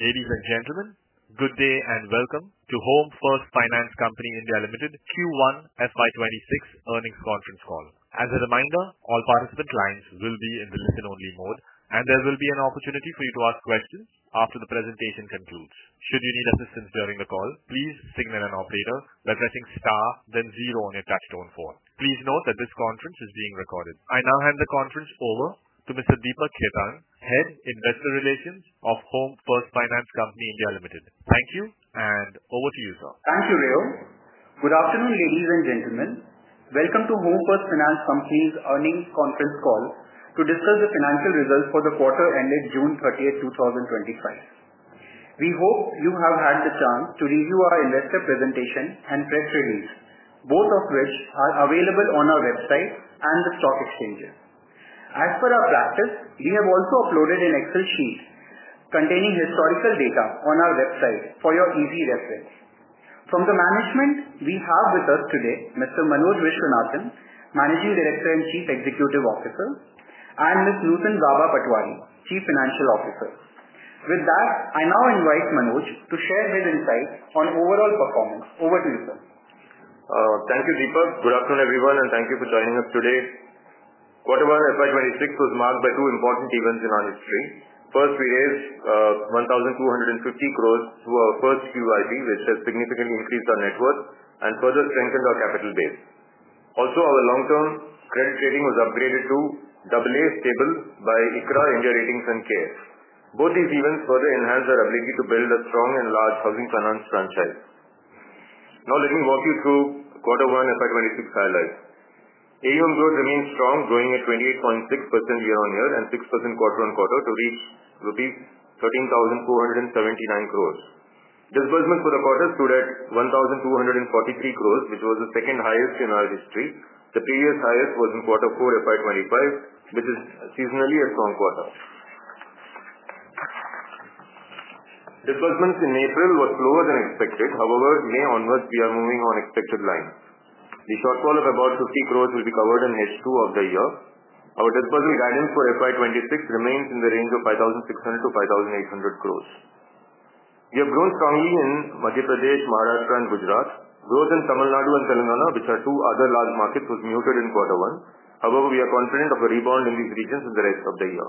Ladies and gentlemen, good day and welcome to Home First Finance Company India Limited Q1 FY2026 earnings conference call. As a reminder, all participant lines will be in the meeting only mode, and there will be an opportunity for you to ask questions after the presentation concludes. Should you need assistance during the call, please signal an operator by pressing star, then zero on your touchtone phone. Please note that this conference is being recorded. I now hand the conference over to Mr. Deepak Khetan, Head of Investor Relations of Home First Finance Company India Limited. Thank you, and over to you, sir. Thank you, Rayo. Good afternoon, ladies and gentlemen. Welcome to Home First Finance Company India Limited's earnings conference call to discuss the financial results for the quarter ended June 30, 2025. We hope you have had the chance to review our investor presentation and press release, both of which are available on our website and the stock exchange. As per our guesses, we have also uploaded an Excel sheet containing historical data on our website for your easy reference. From the management, we have with us today Mr. Manoj Viswanathan, Managing Director & CEO, and Ms. Nutan Gaba Patwari, Chief Financial Officer. With that, I now invite Manoj to share his insights on overall performance. Over to you, sir. Thank you, Deepak. Good afternoon, everyone, and thank you for joining us today. Quarter one FY2026 was marked by two important events in our history. First, we raised 1,250 crore through our first QIP, which has significantly increased our net worth and further strengthened our capital base. Also, our long-term current rating was upgraded to AA stable by ICRA, India Ratings, and Care Ratings. Both these events further enhanced our ability to build a strong and large housing finance franchise. Now, let me walk you through quarter one FY2026 highlights. AUM growth remains strong, growing at 28.6% year-on-year and 6% quarter-on-quarter to reach rupees 13,479 crore. Disbursements for the quarter stood at 1,243 crore, which was the second highest in our history. The previous highest was in quarter four FY2025, which is seasonally a strong quarter. Disbursements in April were slower than expected. However, from May onwards, we are moving on expected lines. The stock call of about 50 crore will be covered in H2 of the year. Our disbursement guidance for FY2026 remains in the range of 5,600-5,800 crore. We have grown strongly in Madhya Pradesh, Maharashtra, and Gujarat. Growth in Tamil Nadu and Telangana, which are two other large markets, was muted in quarter one. However, we are confident of a rebound in these regions in the rest of the year.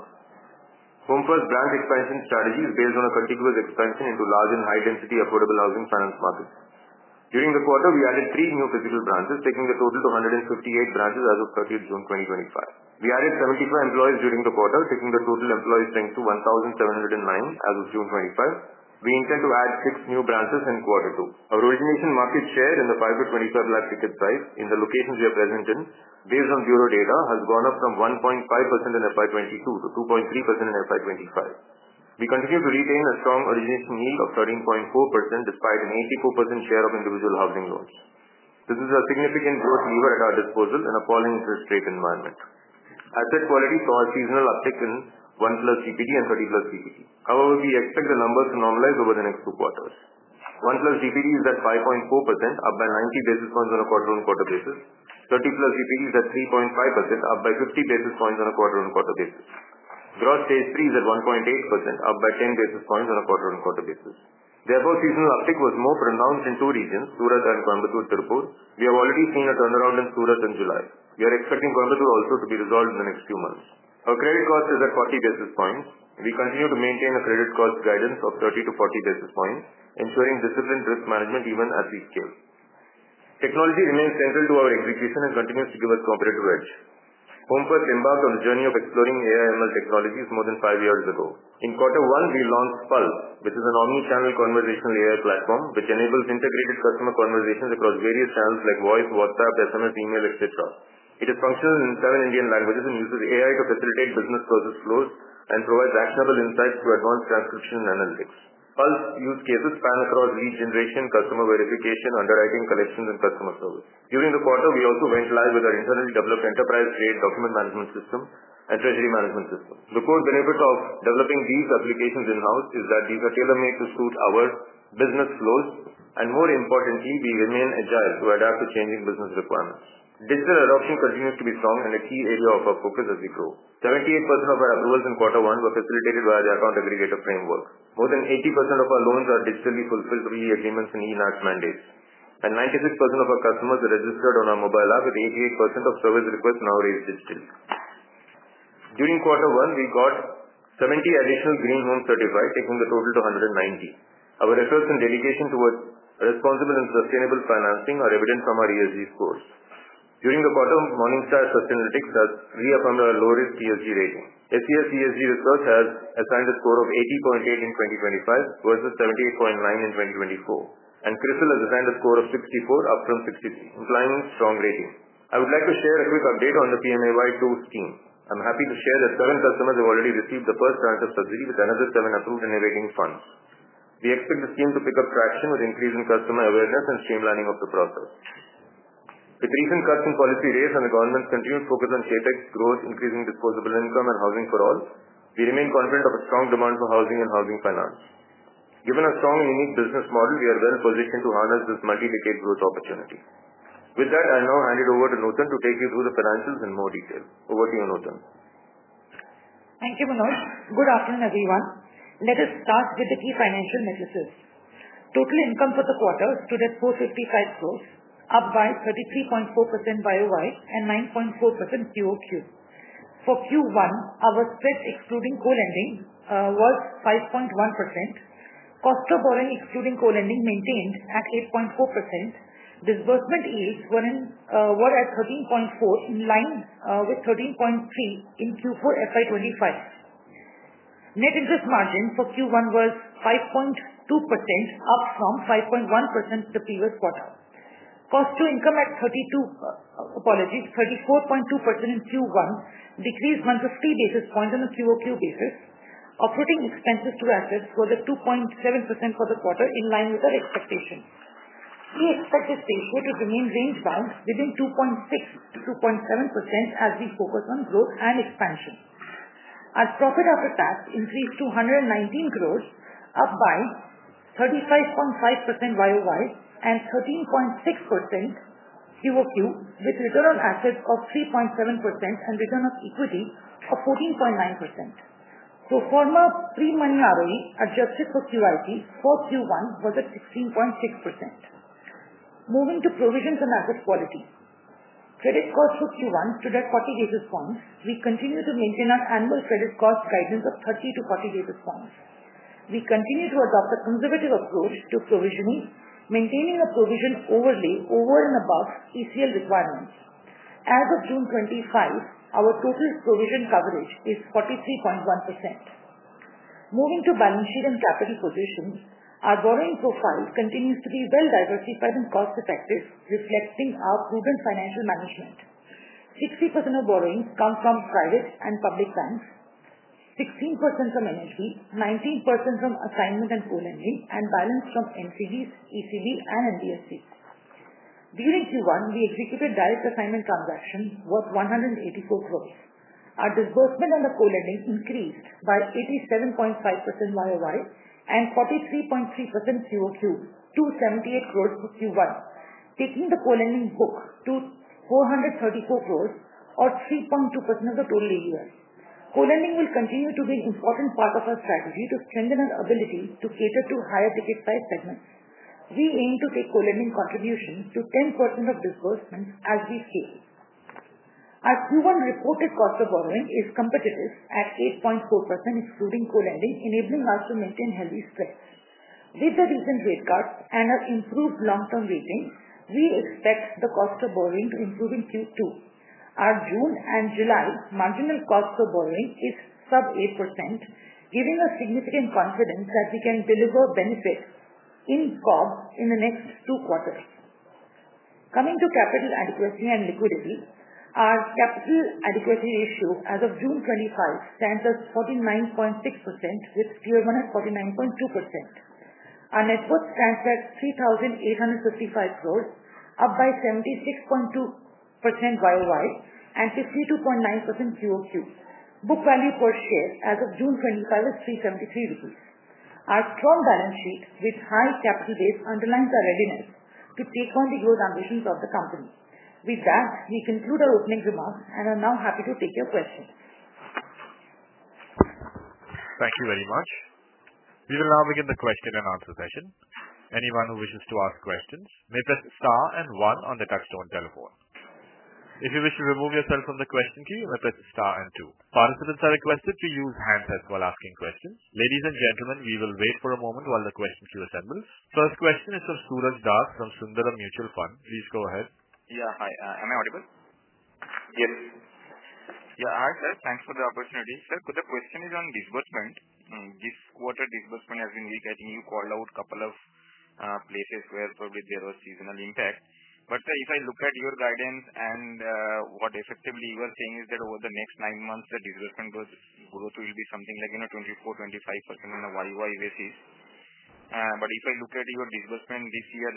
Home First's branch expansion strategy is based on a continuous expansion into large and high-density affordable housing finance markets. During the quarter, we added three new physical branches, taking the total to 158 branches as of 30th June 2025. We added 75 employees during the quarter, taking the total employee strength to 1,709 as of June 2025. We intend to add six new branches in quarter two. Our origination market share in the 5-25 lakh ticket price in the locations we are present in, based on Bureau data, has gone up from 1.5% in FY2022 to 2.3% in FY2025. We continue to retain a strong origination yield of 13.4% despite an 84% share of individual housing loans. This is a significant growth lever at our disposal in a falling interest rate environment. Asset quality saw a seasonal uptick in 1+ EPG and 30+ EPG. However, we expect the numbers to normalize over the next two quarters. 1+ EPG is at 5.4%, up by 90 basis points on a quarter-on-quarter basis. 30+ EPG is at 3.5%, up by 50 basis points on a quarter-on-quarter basis. Gross stage 3 is at 1.8%, up by 10 basis points on a quarter-on-quarter basis. The above seasonal uptick was more pronounced in two regions, Surat and Coimbatore-Tirupur. We have already seen a turnaround in Surat in July. We are expecting Coimbatore also to be resolved in the next few months. Our credit cost is at 40 basis points. We continue to maintain a credit cost guidance of 30 basis points-40 basis points, ensuring disciplined risk management even at this scale. Technology remains central to our execution and continues to give us a competitive edge. Home First embarked on a journey of exploring AI/ML technologies more than five years ago. In Quarter One, we launched Pulse, which is an AI-driven omnichannel conversational platform, which enables integrated customer conversations across various channels like voice, WhatsApp, SMS, email, etc. It is functional in seven Indian languages and uses AI to facilitate business process flows and provides actionable insights through advanced transcription and analytics. Pulse use cases span across lead generation, customer verification, underwriting, collections, and customer service. During the quarter, we also went live with our internally developed enterprise-grade document management system and treasury management system. The core benefit of developing these applications in-house is that these are tailor-made to suit our business flows, and more importantly, we remain agile to adapt to changing business requirements. Digital adoption continues to be strong and a key area of our focus as we grow. 78% of our approvals in Quarter One were facilitated by the account aggregator framework. More than 80% of our loans are digitally fulfilled via agreements and e-NACH mandates. 96% of our customers are registered on our mobile app, with 88% of service requests now registered. During Quarter One, we got 70 additional Green Home certified, taking the total to 190. Our efforts and dedication towards responsible and sustainable financing are evident from our ESG scores. During the quarter, from Morningstar Sustainalytics, we have earned our lowest ESG rating. SCS ESG Research has assigned a score of 80.8 in 2025 versus 78.9 in 2024. CRISIL has assigned a score of 64, up from 63, implying strong ratings. I would like to share a quick update on the PMAY2 scheme. I'm happy to share that seven customers have already received the first grant of subsidy with another seven approved in a waiting fund. We expect this scheme to pick up traction with an increase in customer awareness and streamlining of the process. With recent cuts in policy rates and the government's continued focus on CTEC growth, increasing disposable income and housing for all, we remain confident of a strong demand for housing and housing finance. Given our strong and unique business model, we are well positioned to harness this multi-decade growth opportunity. With that, I'll now hand it over to Nutan to take you through the financials in more detail. Over to you, Nutan. Thank you, Manoj. Good afternoon, everyone. Let us start with the key financial metrics. Total income for the quarter stood at INR 455 crore, up by 33.4% year-on-year and 9.4% quarter-on-quarter. For Q1, our spread excluding co-lending was 5.1%. Cost of borrowing excluding co-lending maintained at 8.4%. Disbursement yields were at 13.4%, in line with 13.3% in Q4 FY2025. Net interest margin for Q1 was 5.2%, up from 5.1% the previous quarter. Cost-to-income at, apologies, 34.2% in Q1, decreased 150 basis points on a quarter-on-quarter basis. Operating expenses to assets were 2.7% for the quarter, in line with our expectations. Expense to assets quoted remained range-bound within 2.6% to 2.7% as we focus on growth and expansion. Our profit after tax increased to 119 crore, up by 35.5% year-on-year and 13.6% quarter-on-quarter, with return on assets of 3.7% and return on equity of 14.9%. Proforma pre-money ROE, adjusted for QIP for Q1, was at 16.6%. Moving to provisions and asset quality, credit costs for Q1 stood at 40 basis points. We continue to maintain our annual credit cost guidance of 30 basis points-40 basis points. We continue to adopt a conservative approach to provisioning, maintaining a provision overlay over and above ECL requirements. As of June 2025, our total provision coverage is 43.1%. Moving to balance sheet and portfolio positioning, our borrowing profile continues to be well-diversified and cost-effective, reflecting our prudent financial management. 60% of borrowings come from private and public banks, 16% from NBFCs, 19% from assignment and co-lending, and balance from NCDs, ECBs, and NHB refinance. During Q1, we executed direct assignment transactions worth 184 crore. Our disbursement on the co-lending increased by 87.5% year-on-year and 43.3% quarter-on-quarter to 78 crore for Q1, taking the co-lending book to 434 crore or 3.2% of the total AUM. Co-lending will continue to be an important part of our strategy to strengthen our ability to cater to higher ticket-size segments. We aim to take co-lending contributions to 10% of disbursements as we scale. Our Q1 reported cost of borrowing is competitive at 8.4% excluding co-lending, enabling us to maintain healthy spreads. With the recent rate cuts and our improved long-term rating, we expect the cost of borrowing to improve in Q2. Our June and July marginal cost of borrowing is sub 8%, giving us significant confidence that we can deliver benefits in cost of borrowing in the next two quarters. Coming to capital adequacy and liquidity, our capital adequacy ratio as of June 2025 stands at 49.6%, with Q1 at 49.2%. Our net worth stands at 3,855 crore, up by 76.2% year-on-year and 52.9% quarter-on-quarter. Book value per share as of June 2025 is 373 rupees. Our strong balance sheet with high capital base underlines our readiness to take on the growth ambitions of the company. With that, we conclude our opening remarks and are now happy to take your questions. Thank you very much. We will now begin the question-and-answer session. Anyone who wishes to ask questions may press star and one on the touchstone telephone. If you wish to remove yourself from the question queue, press star and two. Participants are requested to use hands as well as asking questions. Ladies and gentlemen, we will wait for a moment while the question queue assembles. First question is from Suraj Das from Sundaram Mutual Fund. Please go ahead. Yeah, hi. Am I audible? Yes. Yeah, hi sir. Thanks for the opportunity, sir. The question is on disbursement. This quarter disbursement has been really, you called out a couple of places where probably there was seasonal impact. If I look at your guidance and what effectively you were saying is that over the next nine months, the disbursement growth will be something like 24%-25% on a worldwide basis. If I look at your disbursement this year,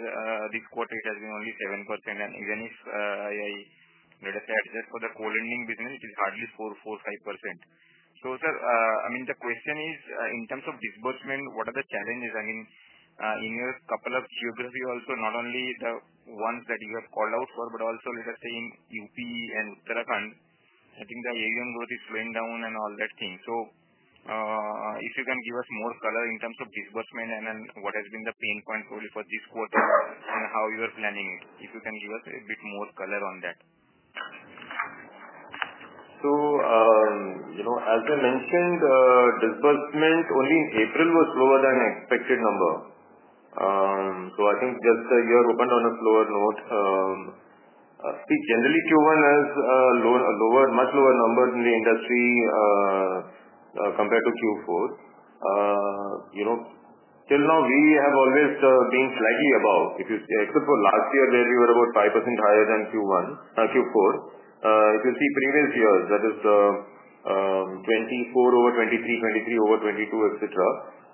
this quarter it has been only 7%. Even if I just add for the co-lending business, it's hardly 4%-5%. Sir, the question is in terms of disbursement, what are the challenges? In a couple of geographies also, not only the ones that you have called out for, but also in UP and Uttarakhand, I think the AUM growth is slowing down and all that thing. If you can give us more color in terms of disbursement and what has been the pain point probably for this quarter and how you are planning, if you can give us a bit more color on that. As we mentioned, disbursement only in April was lower than the expected number. I think generally Q1 has a much lower number in the industry compared to Q4. Till now we have always been slightly above, except for last year where we were about 5% higher than Q4. If you see previous years, that is 2024 over 2023, 2023 over 2022, etc.,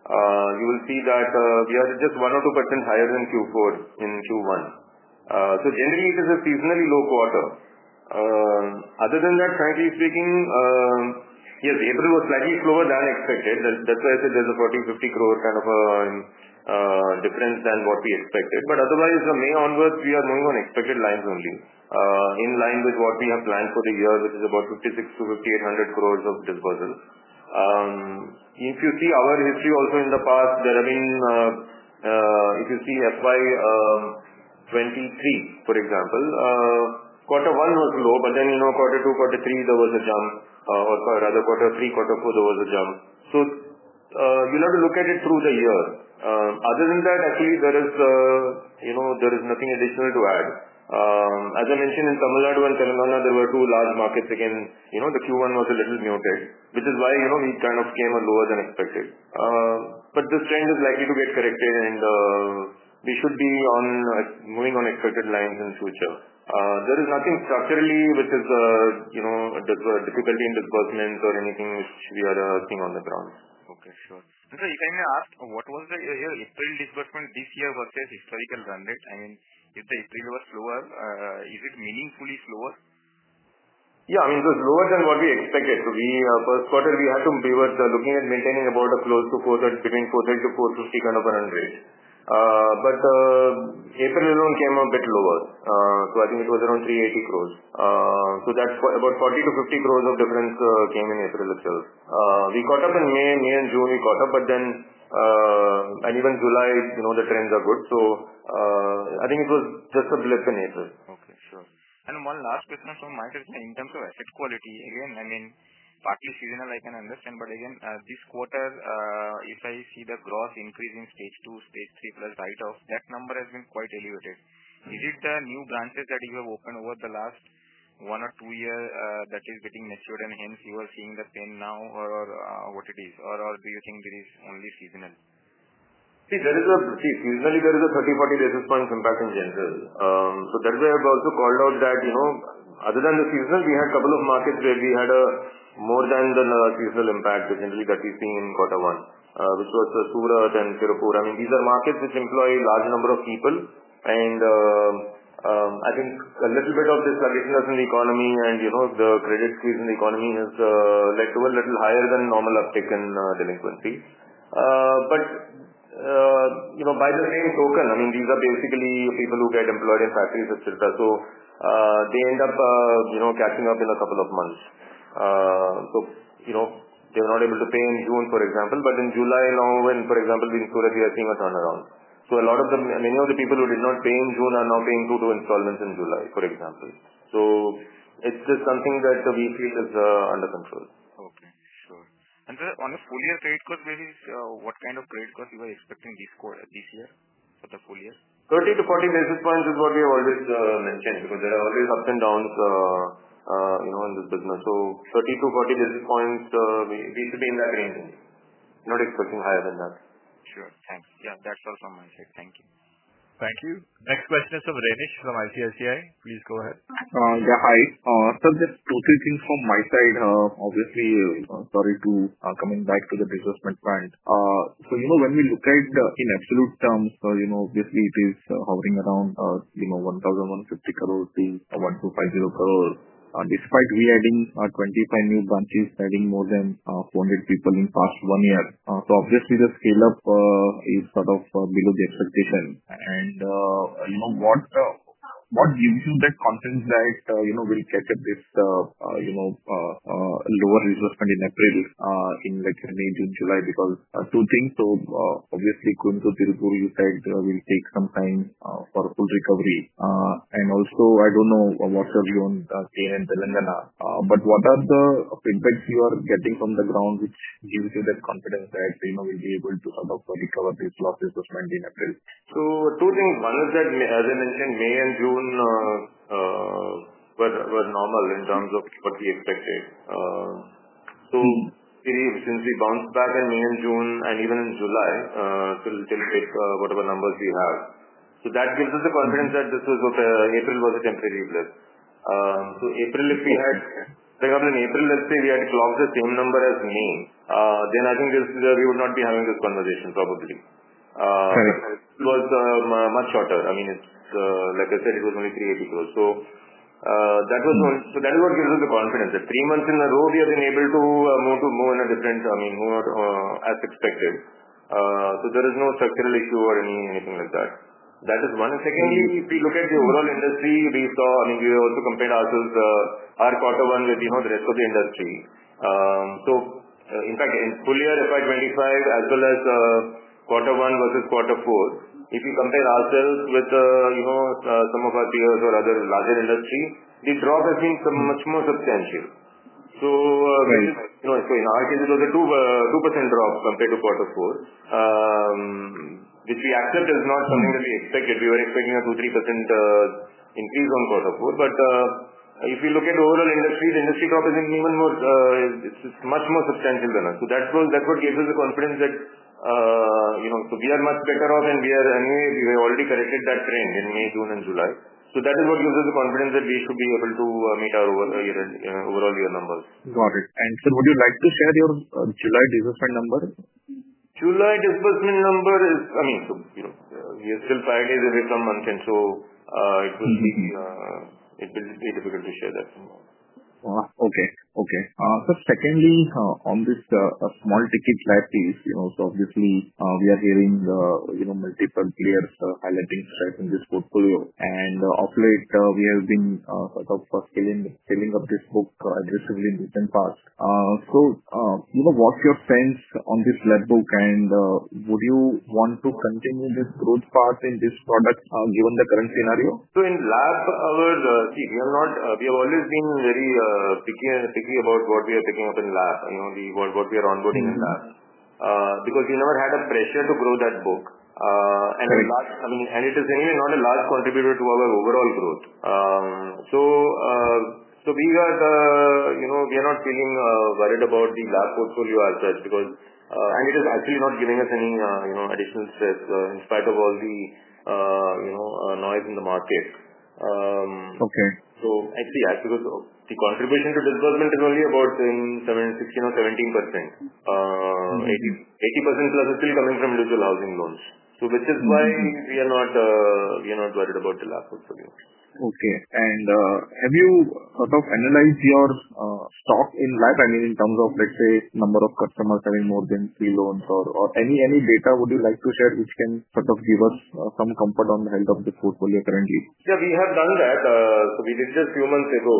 you will see that we are just 1% or 2% higher than Q4 in Q1. Generally, it is a seasonally low quarter. Frankly speaking, yes, April was slightly slower than expected. That's why I said there's a 400- 500 million kind of a difference than what we expected. Otherwise, from May onwards, we are moving on expected lines only, in line with what we have planned for the year, which is about 56-58 billion of disbursement. If you see our history also in the past, if you see FY2023, for example, Q1 was low, but then in Q2, Q3, there was a jump, or rather Q3, Q4, there was a jump. You'll have to look at it through the year. Actually, there is nothing additional to add. As I mentioned, in Tamil Nadu and Telangana, which are two large markets again, Q1 was a little muted, which is why we came in lower than expected. This trend is likely to get corrected and we should be moving on expected lines in the future. There is nothing structurally which is a difficulty in disbursement or anything which we are seeing on the ground. Okay, sure. Sorry, can I ask what was the historical disbursement this year versus historical bandwidth? I mean, if the history was slower, is it meaningfully slower? Yeah, I mean, it was lower than what we expected. We, first quarter, had some payers looking at maintaining about a close to 430 crore, between 430-450 crore kind of a range. The April loan came a bit lower. I think it was around 380 crore. That's about 40-50 crore of difference that came in April itself. We caught up in May. May and June we caught up, and even July, you know the trends are good. I think it was just a blip in April. Okay, sure. One last question from my side, in terms of asset quality, again, I mean, partly seasonal, I can understand. This quarter, if I see the growth increase in stage two, stage three plus write-offs, that number has been quite elevated. Is it the new branches that you have opened over the last one or two years that is getting matured and hence you are seeing the trend now, or what it is? Do you think it is only seasonal? There is a, seasonally there is a 30basis points -40 basis point impact in general. That's why I've also called out that, you know, other than the seasonal, we had a couple of markets where we had a more than the seasonal impact, essentially, that we've seen in Quarter One, which was Surat and Coimbatore-Tirupur. I mean, these are markets which employ a large number of people. I think a little bit of the sluggishness in the economy and, you know, the credit squeeze in the economy has led to a little higher than normal uptick in delinquency. By the same token, I mean, these are basically people who get employed in factories, etc., though they end up, you know, catching up in a couple of months. They were not able to pay in June, for example, but in July, for example, we ensure that we are seeing a turnaround. A lot of them, many of the people who did not pay in June are now paying two-toe installments in July, for example. It's just something that we feel is under control. Okay, sure. Sir, on a full year credit cost basis, what kind of credit costs were you expecting this quarter this year for the full year? 30 basis points-40 basis points is what we have always mentioned because there are always ups and downs in this business. 30 basis points-40 basis points, we should be in that range. Not expecting higher than that. Sure, thanks. Yeah, that's all from my side. Thank you. Thank you. Next question is from Ramesh from ICRA. Please go ahead. Yeah, hi. Sir, just two or three things from my side. Obviously, sorry to coming back to the disbursement plan. When we look at in absolute terms, it is hovering around 1,150 crore-1,250 crore, despite we adding 25 new branches, adding more than 400 people in the past one year. Obviously, the scale-up is sort of below the expectation. What gives you that confidence that we'll catch up with the lower disbursement in April, like late in July? Because two things. Coimbatore-Tirupur, you said, will take some time for a full recovery. Also, I don't know what your view on Telangana are, but what are the feedbacks you are getting from the ground which gives you this confidence that we'll be able to have a profitable disbursement in April? Two things. One is that, as I mentioned, May and June were normal in terms of what we expected. We bounced back in May and June, and even in July, till whatever numbers we have. That gives us the confidence that April was a temporary blip. If we had, for example, in April, let's say we had clocked the same number as May, then I think we would not be having this conversation probably. It was much shorter. I mean, like I said, it was only 380 crore. That was the only, so that is what gives us the confidence that three months in a row we have been able to move in a different, I mean, more as expected. There is no structural issue or anything like that. That is one. Secondly, if we look at the overall industry, we also compared ourselves, our quarter one with the rest of the industry. In fact, in full year FY2025, as well as quarter one versus quarter four, if you compare ourselves with some of our peers or other larger industries, the drop has been much more substantial. In our case, it was a 2% drop compared to quarter four, which we accept is not something that we expected. We were expecting a 2%-3% increase on quarter four. If you look at overall industry, the industry drop is even more, it's just much more substantial than us. That gives us the confidence that we are much better off and we have already corrected that trend in May, June, and July. That is what gives us the confidence that we should be able to meet our overall year numbers. Got it. Sir, would you like to share your July disbursement number? July disbursement number is, I mean, we are still five days away from month end. It will be difficult to share that somehow. Okay. Secondly, on this small ticket price piece, you know, we are hearing multiple players highlighting strength in this portfolio. Of late, we have been scaling up this book aggressively in the recent past. What's your sense on this lab book, and would you want to continue this growth path in this product, given the current scenario? In loans against property, we are not, we have always been very picky about what we are picking up in loans against property, you know, the world, what we are onboarding in loans against property. We never had a pressure to grow that book, and it is really not a large contributor to our overall growth. We are not feeling worried about the loans against property portfolio as such because it is actually not giving us any additional strength in spite of all the noise in the market. Okay. I think, yeah, because the contribution to disbursement is only about 17% or 17%. 80%+ is still coming from individual housing loans. This is why we are not worried about the loans against property portfolio. Okay. Have you analyzed your stock in lab? I mean, in terms of, let's say, number of customers having more than three loans or any data you would like to share which can give us some comfort on the health of the portfolio currently? Yeah, we have done that. This is a few months ago,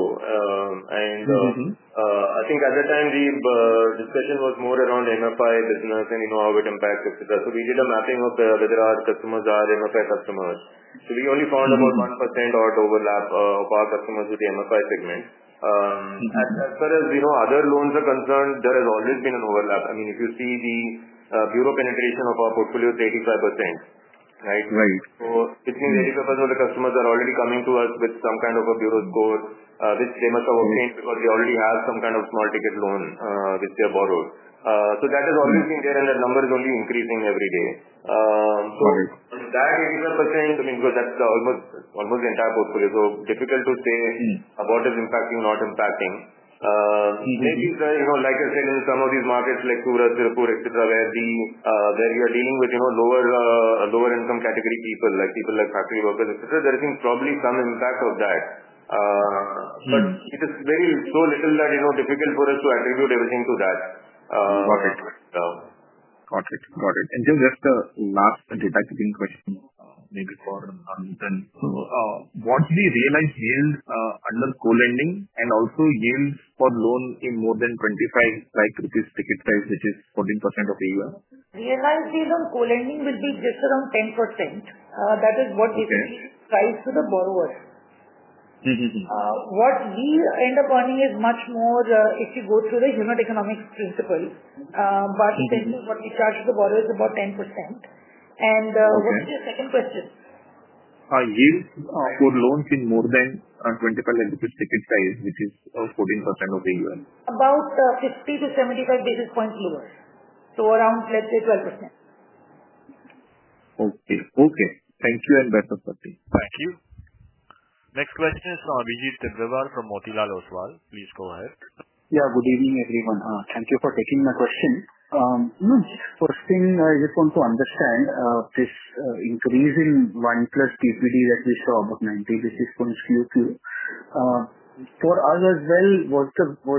and I think at the time the discussion was more around MFI business and, you know, how it impacts, etc. We did a mapping of whether our customers are MFI customers. We only found about 1% odd overlap of our customers with the MFI segment. As far as, you know, other loans are concerned, there has always been an overlap. I mean, if you see the Bureau penetration of our portfolio, it is 85%. Right? Right. It means 85% of the customers are already coming to us with some kind of a Bureau score, which they must have obtained because they already have some kind of small ticket loan, which they have borrowed. That has always been there and that number is only increasing every day. Got it. That 85%, I mean, because that's almost, almost the entire portfolio. It's difficult to say what is impacting, not impacting. Like I said, in some of these markets like Surat, Tirupur, etc., where you are dealing with lower, lower income category people, like people like factory workers, etc., there has been probably some impact of that. It is very little that, you know, difficult for us to attribute everything to that. Got it. Got it. Just a last didactic question, maybe for Nutan. What do you realize yield, under co-lending, and also yields for loan in more than 2.5 million rupees ticket size, which is 14% of AUM? Realized yield on co-lending would be just around 10%. That is what we pay to the borrower. What we end up earning is much more, if you go through the unit economics principle. In general, what we charge to the borrower is about 10%. What was your second question? Are yields for loans in more than 25 entities ticket size, which is 14% of AUM? About 50 basis points-75 basis points lower, around 12%. Okay. Okay. Thank you and best of luck. Thank you. Next question is from Abhijit Tibrewal from Motilal Oswal. Please go ahead. Yeah, good evening, everyone. Thank you for taking my question. First thing, I just want to understand this increase in 1 plus TPD, as we saw, about 90 basis points Q2. For us as well, was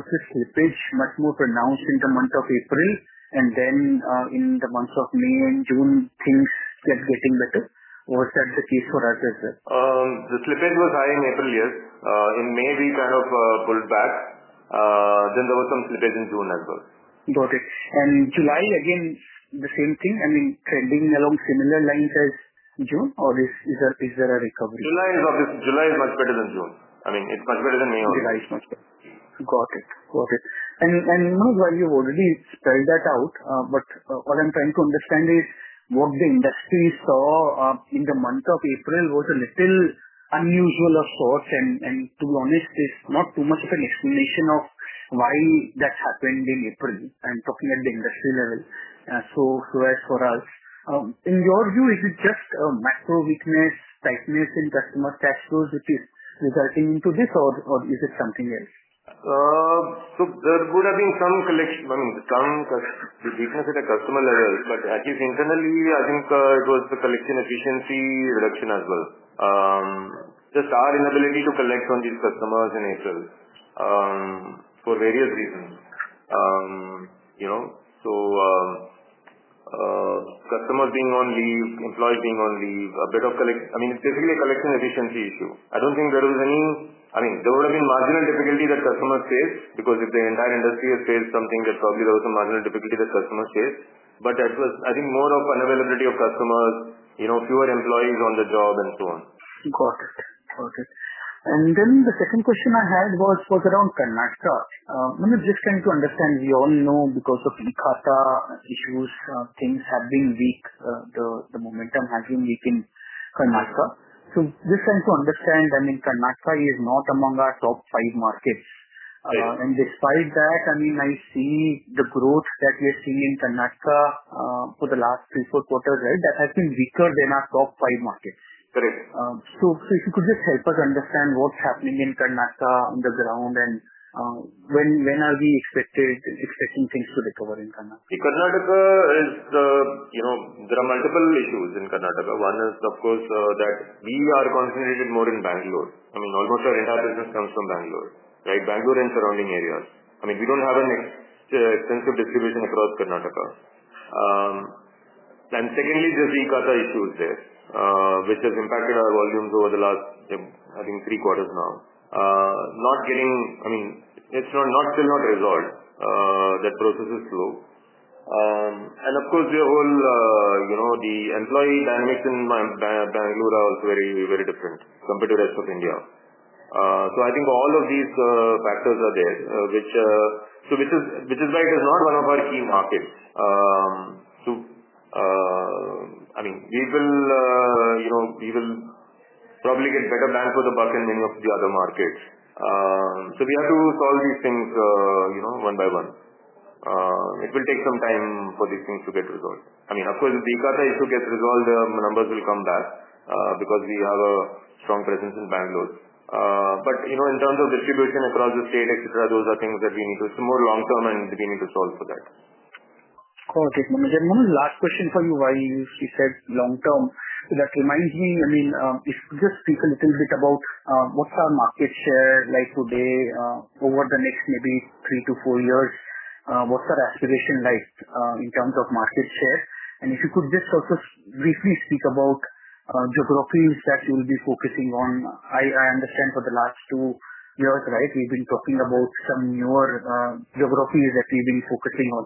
the slippage much more pronounced in the month of April? In the months of May and June, things kept getting better? Or was that the case for us as well? The slippage was high in April, yes. In May, we kind of pulled back. Then there was some slippage in June as well. Got it. July, again, the same thing? I mean, trending along similar lines as June? Is there a recovery? July is obvious. July is much better than June. I mean, it's much better than May also. July is much better. Got it. Got it. I know why you already spelled that out. What I'm trying to understand is what the industry saw in the month of April was a little unusual, of course. To be honest, there's not too much of an explanation of why that happened in April. I'm talking at the industry level. As for us, in your view, is it just a macro weakness, tightness in customer cash flows which is resulting into this? Is it something else? There would have been some collection. I mean, some we're seeing at the customer level. At least internally, I think it was the collection efficiency reduction as well, just our inability to collect on these customers in April for various reasons. You know, customers being on leave, employees being on leave, a bit of collection. I mean, it's basically a collection efficiency issue. I don't think there was any, I mean, there would have been marginal difficulty that customers faced because if the entire industry has faced something, then probably there was a marginal difficulty that customers faced. That was, I think, more of unavailability of customers, fewer employees on the job, and so on. Got it. Nutan, the second question I had was around Karnataka. I mean, it's just trying to understand. We all know because of the Kata issues, things have been weak. The momentum has been weak in Karnataka. Just trying to understand, Karnataka is not among our top five markets. Despite that, I see the growth that we have seen in Karnataka for the last three, four quarters, right? That has been weaker than our top five markets. Correct. If you could just help us understand what's happening in Karnataka on the ground and when are we expecting things to recover in Karnataka? In Karnataka, there are multiple issues. One is, of course, that we are concentrated more in Bangalore. Almost our entire business comes from Bangalore, right? Bangalore and surrounding areas. We don't have an extensive distribution across Karnataka. Secondly, there's the Kata issues there, which has impacted our volumes over the last, I think, three quarters now. It's not still resolved. That process is slow. The employee dynamics in Bangalore are also very, very different compared to the rest of India. I think all of these factors are there, which is why it is not one of our key markets. We will probably get better bang for the buck in many of the other markets. We have to solve these things one by one. It will take some time for these things to get resolved. Of course, if the Kata issue gets resolved, the numbers will come back because we have a strong presence in Bangalore. In terms of distribution across the state, those are things that we need to, it's more long-term and that we need to solve for that. Got it. One last question for you, why you said long-term, that reminds me, if you could just speak a little bit about what's our market share like today over the next maybe three to four years, what's our aspiration like in terms of market share? If you could just also briefly speak about geographies that we'll be focusing on. I understand for the last two years, we've been talking about some newer geographies that we've been focusing on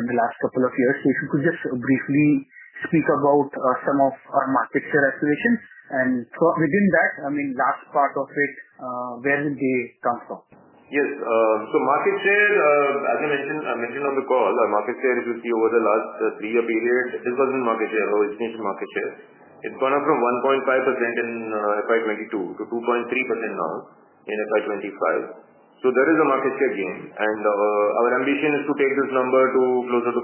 in the last couple of years. If you could just briefly speak about some of our market share aspirations and within that, last part of it, where did they come from? Yes. Market share, as I mentioned on the call, our market share, if you see over the last three-year period, disbursement market share, origination market share, it went up from 1.5% in FY2022 to 2.3% now in FY2025. There is a market share gain, and our ambition is to take this number closer to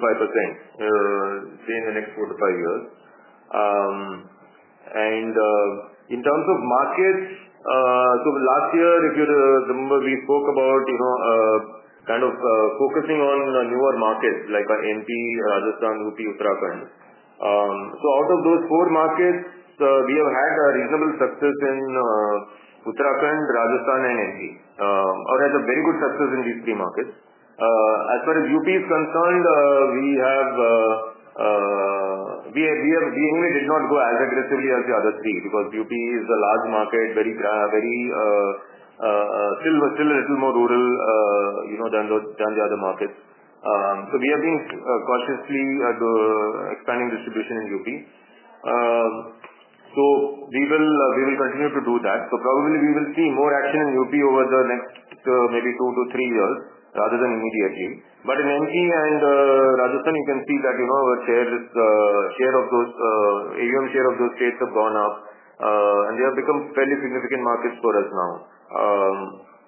5% in the next four to five years. In terms of markets, last year, if you remember, we spoke about focusing on newer markets like MP, Rajasthan, UP, Uttarakhand. Out of those four markets, we have had reasonable success in Uttarakhand, Rajasthan, and MP. We had very good success in these three markets. As far as UP is concerned, we did not go as aggressively as the other three because UP is a large market, still a little more rural than the other markets. We have been cautiously expanding distribution in UP. We will continue to do that. Probably we will see more action in UP over the next maybe two to three years rather than immediately. In MP and Rajasthan, you can see that our share, AUM share of those states, has gone up, and they have become fairly significant markets for us now.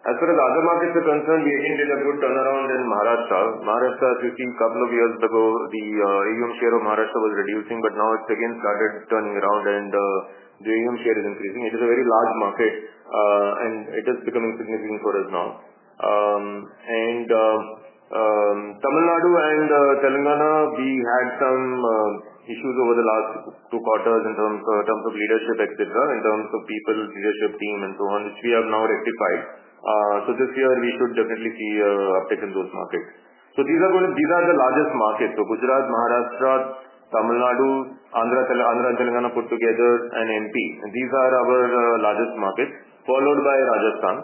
As far as other markets are concerned, we again did a good turnaround in Maharashtra. Maharashtra, if you've seen a couple of years ago, the AUM share of Maharashtra was reducing, but now it's again started turning around and the AUM share is increasing. It is a very large market, and it is becoming significant for us now. Tamil Nadu and Telangana, we had some issues over the last two quarters in terms of leadership, in terms of people, leadership team, and so on, which we have now rectified. This year we should definitely see an uptick in those markets. These are the largest markets: Gujarat, Maharashtra, Tamil Nadu, Andhra, Andhra and Telangana put together, and MP. These are our largest markets, followed by Rajasthan.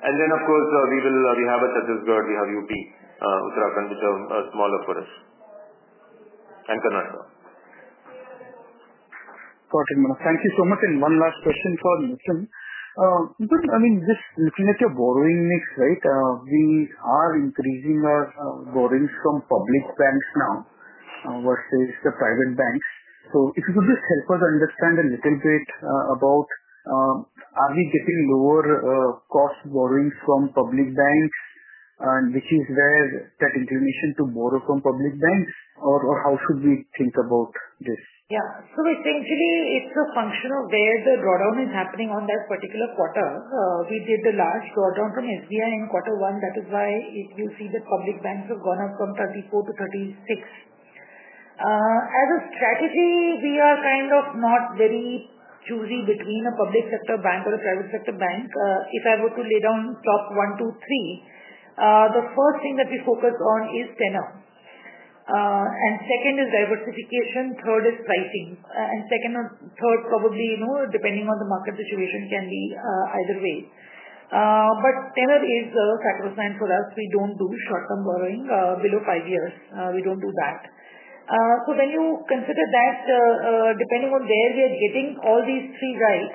Then, of course, we have such as Gujarat. We have UP, Uttarakhand, which is smaller for us, and Karnataka. Got it, Manoj. Thank you so much. One last question for Nutan. I mean, this infinite borrowing is great. We are increasing our borrowings from public banks now, versus the private banks. If you could just help us understand and iterate about, are we getting lower cost borrowings from public banks, and which is where that inclination to borrow from public banks, or how should we think about this? Yeah. So essentially, it's a function of where the drawdown is happening on that particular quarter. We did the large drawdown from SBI in Q1. That is why, if you see, the public banks have gone up from 34% to 36%. As a strategy, we are kind of not very choosy between a public sector bank or a private sector bank. If I were to lay down top one, two, three, the first thing that we focus on is tenure. Second is diversification. Third is pricing. Second or third, probably, you know, depending on the market situation, can be either way. Tenure is sacrosanct for us. We don't do short-term borrowing, below five years. We don't do that. When you consider that, depending on where we are getting all these three right,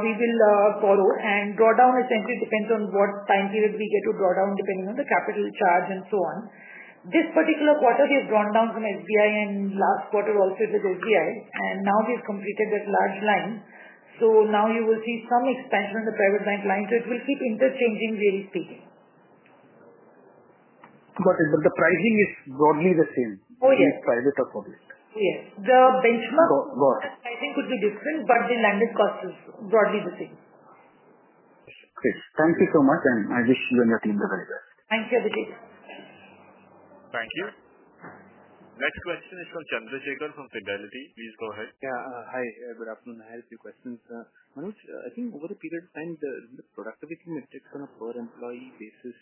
we will borrow. Drawdown essentially depends on what time period we get to draw down depending on the capital charge and so on. This particular quarter, we have gone down from SBI and last quarter also to the HDFC. Now we've completed that large line. Now you will see some expansion on the private bank line. It will keep interchanging, really speaking. Got it. The pricing is broadly the same? Oh, yes. With private or public? Yes, the benchmark pricing could be different, but the landed cost is broadly the same. Okay. Thank you so much. I wish you and your team the best. Thank you, everybody. Thank you. Next question is from Chandrasekar from Fidelity. Please go ahead. Yeah, hi. Good afternoon. I have a few questions. Manoj, I think over the period of time, the productivity metrics for employee basis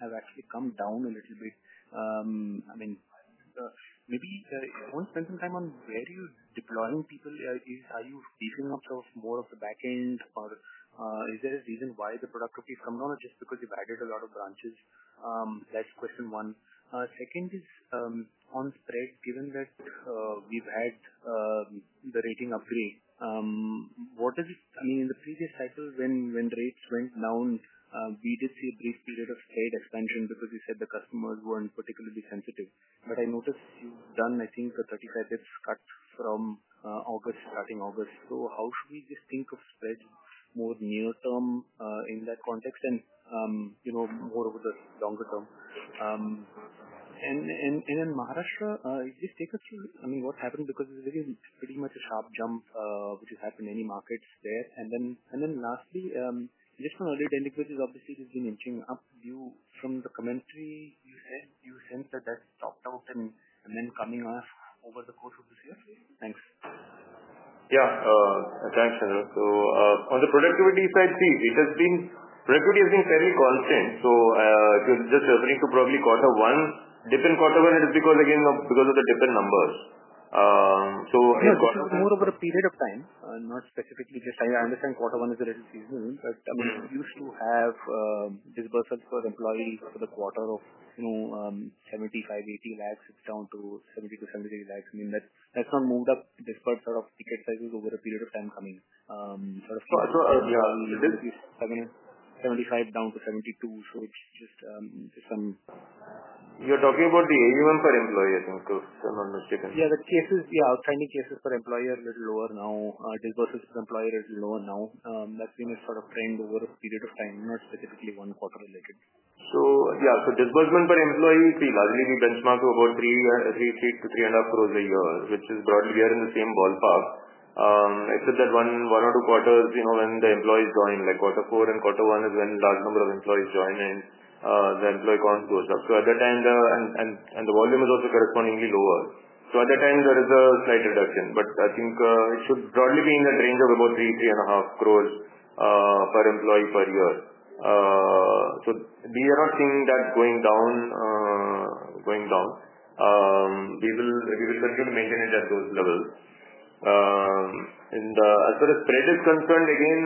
have actually come down a little bit. I mean, maybe spend some time on where you're deploying people. Are you thinking of more of the backend, or is there a reason why the productivity is coming down or just because you've added a lot of branches? That's question one. Second is, on spreads, given that we've had the rating upgrade. I mean, in the previous cycle when rates went down, we did see a brief period of spread expansion because we said the customers weren't particularly sensitive. I noticed you've done, I think, a 35 basis points cut from August, starting August. How should we just think of spreads more near term in that context and, you know, more over the longer term? In Maharashtra, I mean, what happened? Because it is pretty much a sharp jump, which has happened in any market there. Lastly, just from earlier delivery, obviously this has been inching up. From the commentary, you said you think that that's topped out and then coming off over the course of this year. Thanks. Yeah, thanks, Ramesh. On the productivity side, it has been fairly constant. If you're just referring to probably quarter one, the dip in quarter one is because of the dip in numbers. I think. Yeah, so over a period of time, not specifically this time. I understand quarter one is a little seasonal, but we used to have disbursements for employees for the quarter of, you know, 7.5 million, 8 million. It's down to 7 million to 7.5 million. I mean, that's not moved up to disbursement of ticket sizes over a period of time coming. I thought, yeah, we're just having a INR 7.5 million down to INR 7.2 million. It's just some. You're talking about the AUM per employee, I think, because I'm not sure I can. The cases, yeah, outstanding cases per employee are a little lower now. Disbursements per employee are a little lower now. That's been a sort of trend over a period of time, not specifically one quarter related. For disbursement per employee, we see largely, we benchmark about 3-3.5 crore a year, which is broadly we are in the same ballpark. It's just that one or two quarters, you know, when the employees join, like quarter four and quarter one is when a large number of employees join and the employee count goes up. At that time, the volume is also correspondingly lower. At that time, there is a slight reduction. I think it should broadly be in that range of about 3 crore, INR 3.5 crore per employee per year. We are not seeing that going down. We will continue to maintain it at those levels. As far as spread is concerned, again,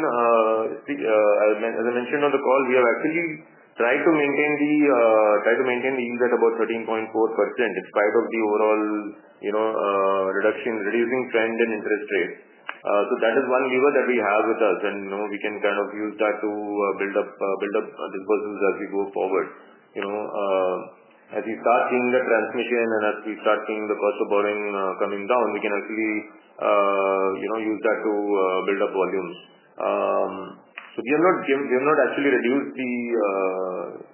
as I mentioned on the call, we have actually tried to maintain the yield at about 13.4% in spite of the overall, you know, reducing trend in interest rates. That is one lever that we have with us, and we can kind of use that to build up disbursements as we go forward. As we start seeing the transmission and as we start seeing the cost of borrowing coming down, we can actually use that to build up volume. We have not actually reduced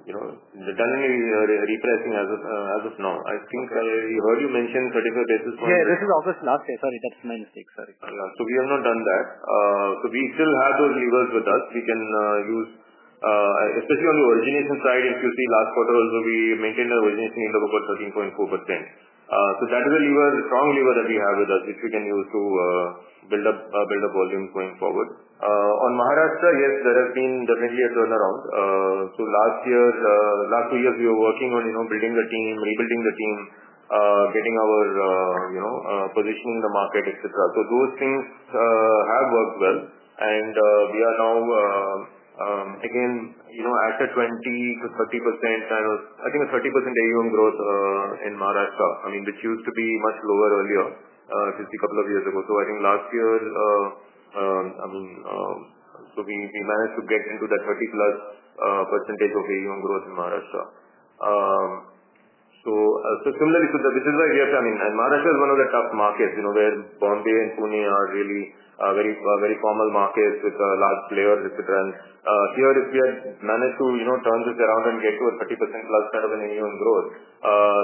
the tenure we are repricing as of now. I think I heard you mentioned 35 basis points. Yeah, this is office, not say. Sorry, that's my mistake. Sorry. Yeah, so we have not done that. We still have those levers with us. We can use, especially on the origination side. If you see last quarter also, we maintained our origination level of about 13.4%. That is a strong lever that we have with us, which we can use to build up volume going forward. On Maharashtra, yes, there has been definitely a turnaround. Last year, last two years, we were working on building the team, rebuilding the team, getting our positioning in the market, etc. Those things have worked well. We are now again at 20%-30% kind of, I think a 30% AUM growth in Maharashtra, which used to be much lower earlier, since a couple of years ago. Last year, we managed to get into that 30%+ of AUM growth in Maharashtra. Similarly, this is why we have, I mean, and Maharashtra is one of the tough markets. Bombay and Pune are really very, very formal markets with large players, etc. Here, if we had managed to turn this around and get to a 30%+ kind of an AUM growth,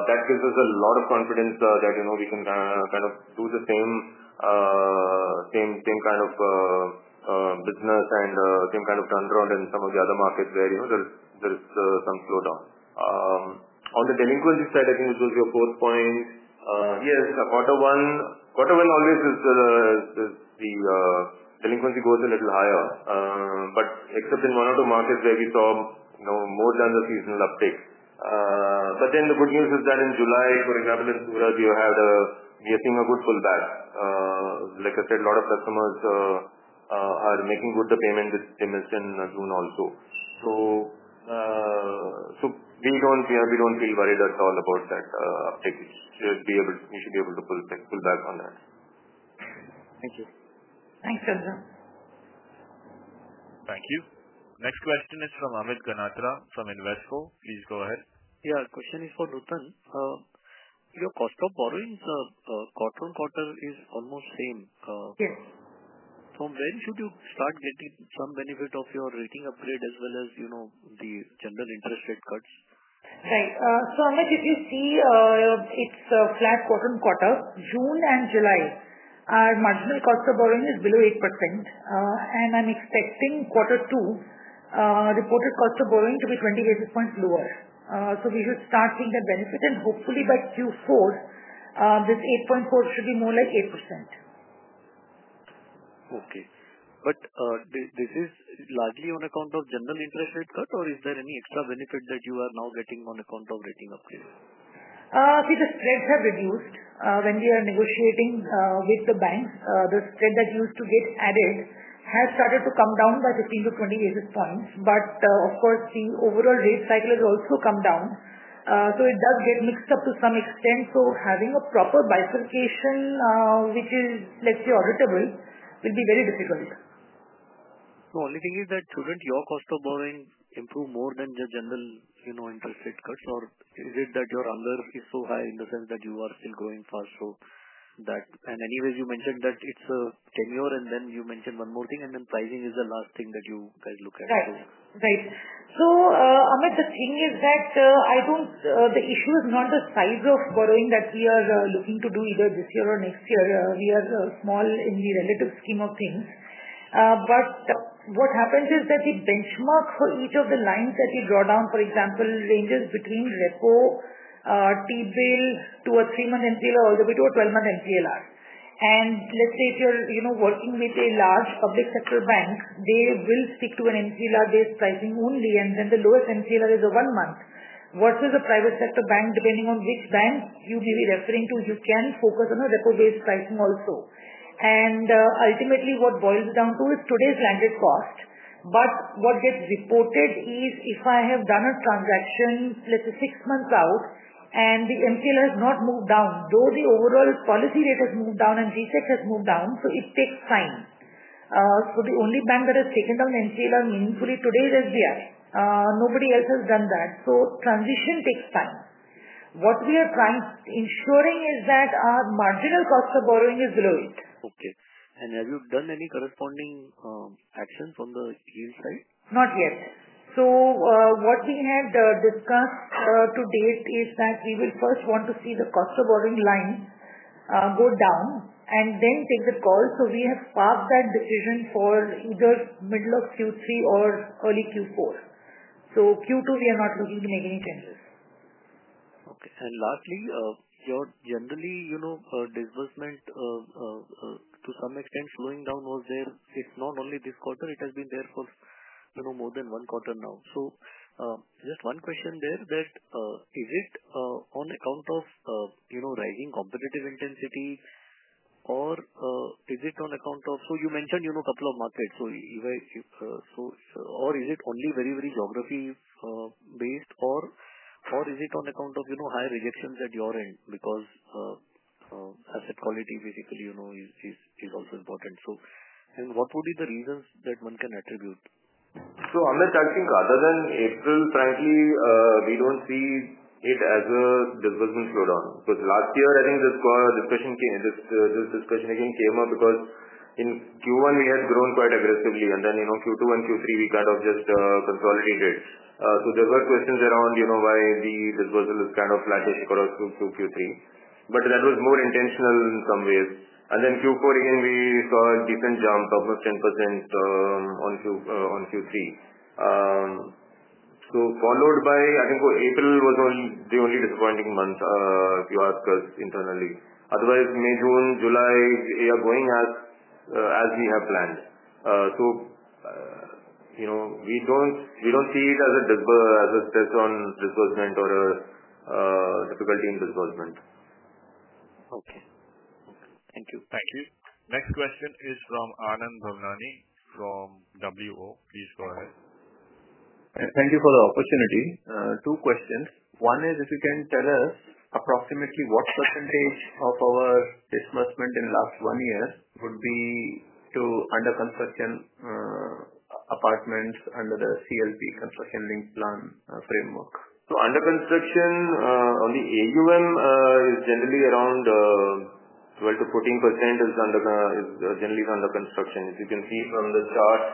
that gives us a lot of confidence that we can kind of do the same kind of business and same kind of turnaround in some of the other markets where there's some slowdown. On the delinquency side, I think, which was your fourth point, yes, quarter one always is, the delinquency goes a little higher, except in one or two markets where we saw more than the seasonal uptake. The good news is that in July, for example, in Surat, we are seeing a good pullback. Like I said, a lot of customers are making good the payment estimation as soon also. We don't feel worried at all about that. I think we should be able to pull back on that. Thank you. Thanks, Chandra. Thank you. Next question is from Amit Ganatra from Invesco. Please go ahead. Yeah, question is for Nutan. Your cost of borrowing is, quarter on quarter, almost the same. Yes, from where should you start getting some benefit of your rating upgrade as well as, you know, the general interest rate cuts? Right. So unless if you see, it's a flat quarter on quarter. June and July our marginal cost of borrowing is below 8%, and I'm expecting quarter two reported cost of borrowing to be 20 basis points lower. We should start seeing that benefit. Hopefully, by Q4, this 8.4% should be more like 8%. Okay, is this largely on account of general interest rate cut, or is there any extra benefit that you are now getting on account of rating upgrade? See, the spreads have reduced. When we are negotiating with the banks, the spread that used to get added has started to come down by 15 basis points-20 basis points. Of course, the overall rate cycle has also come down, so it does get mixed up to some extent. Having a proper bifurcation, which is, let's say, auditable, will be very difficult. The only thing is that shouldn't your cost of borrowing improve more than just general, you know, interest rate cuts? Is it that your anger is so high in the sense that you are still going for sure? You mentioned that it's a tenure, and then you mentioned one more thing, and then pricing is the last thing that you guys look at. Right. Right. Amit, the thing is that I don't, the issue is not the size of borrowing that we are looking to do either this year or next year. We are small in the relative scheme of things. What happens is that we benchmark each of the lines that we draw down, for example, ranges between repo, T-bill, two or three-month NPL, or a bit of a 12-month NPL. Let's say if you're, you know, working with a large public sector bank, they will stick to an NPL-based pricing only. The lowest NPL is a one-month. Versus a private sector bank, depending on which bank you may be referring to, you can focus on a repo-based pricing also. Ultimately, what it boils down to is today's landed cost. What gets reported is if I have done a transaction, let's say six months out, and the NPL has not moved down, though the overall policy rate has moved down and reset has moved down, it takes time. The only bank that has taken down NPL meaningfully today is SBI. Nobody else has done that. Transition takes time. What we are trying to ensure is that our marginal cost of borrowing is low. Okay. Have you done any corresponding actions on the sale side? Not yet. What we have discussed to date is that we will first want to see the cost of borrowing line go down and then take the call. We have far-fetched decisions for either middle of Q3 or early Q4. Q2, we are not looking to make any changes. Okay. Lastly, your disbursement, to some extent, is slowing down over there. It's not only this quarter. It has been there for more than one quarter now. Just one question there: is it on account of rising competitive intensity, or is it on account of, you mentioned, a couple of markets? If so, or is it only very, very geography-based, or is it on account of higher rejections at your end? Because asset quality basically is also important. What would be the reasons that one can attribute? Amit, I think other than April, frankly, we don't see it as a disbursement slowdown. Last year, I think this discussion came up again because in Q1, we had grown quite aggressively. Then, you know, Q2 and Q3, we kind of just consolidated. There were questions around why the disbursal is kind of flat to Q3, but that was more intentional in some ways. In Q4, again, we saw a decent jump of 10% on Q3. April was the only disappointing month, if you ask us internally. Otherwise, May, June, July, we are going as we have planned. We don't see it as a step on disbursement or a difficulty in disbursement. Okay, thank you. Thank you. Next question is from Anand Bhavnani from WO. Please go ahead. Thank you for the opportunity. Two questions. One is if you can tell us approximately what % of our disbursement in the last one year would be to under construction, apartments under the CLP construction link plan framework. Under construction only AUM is generally around 12% to 14% is under the, is generally under construction. As you can see from the charts,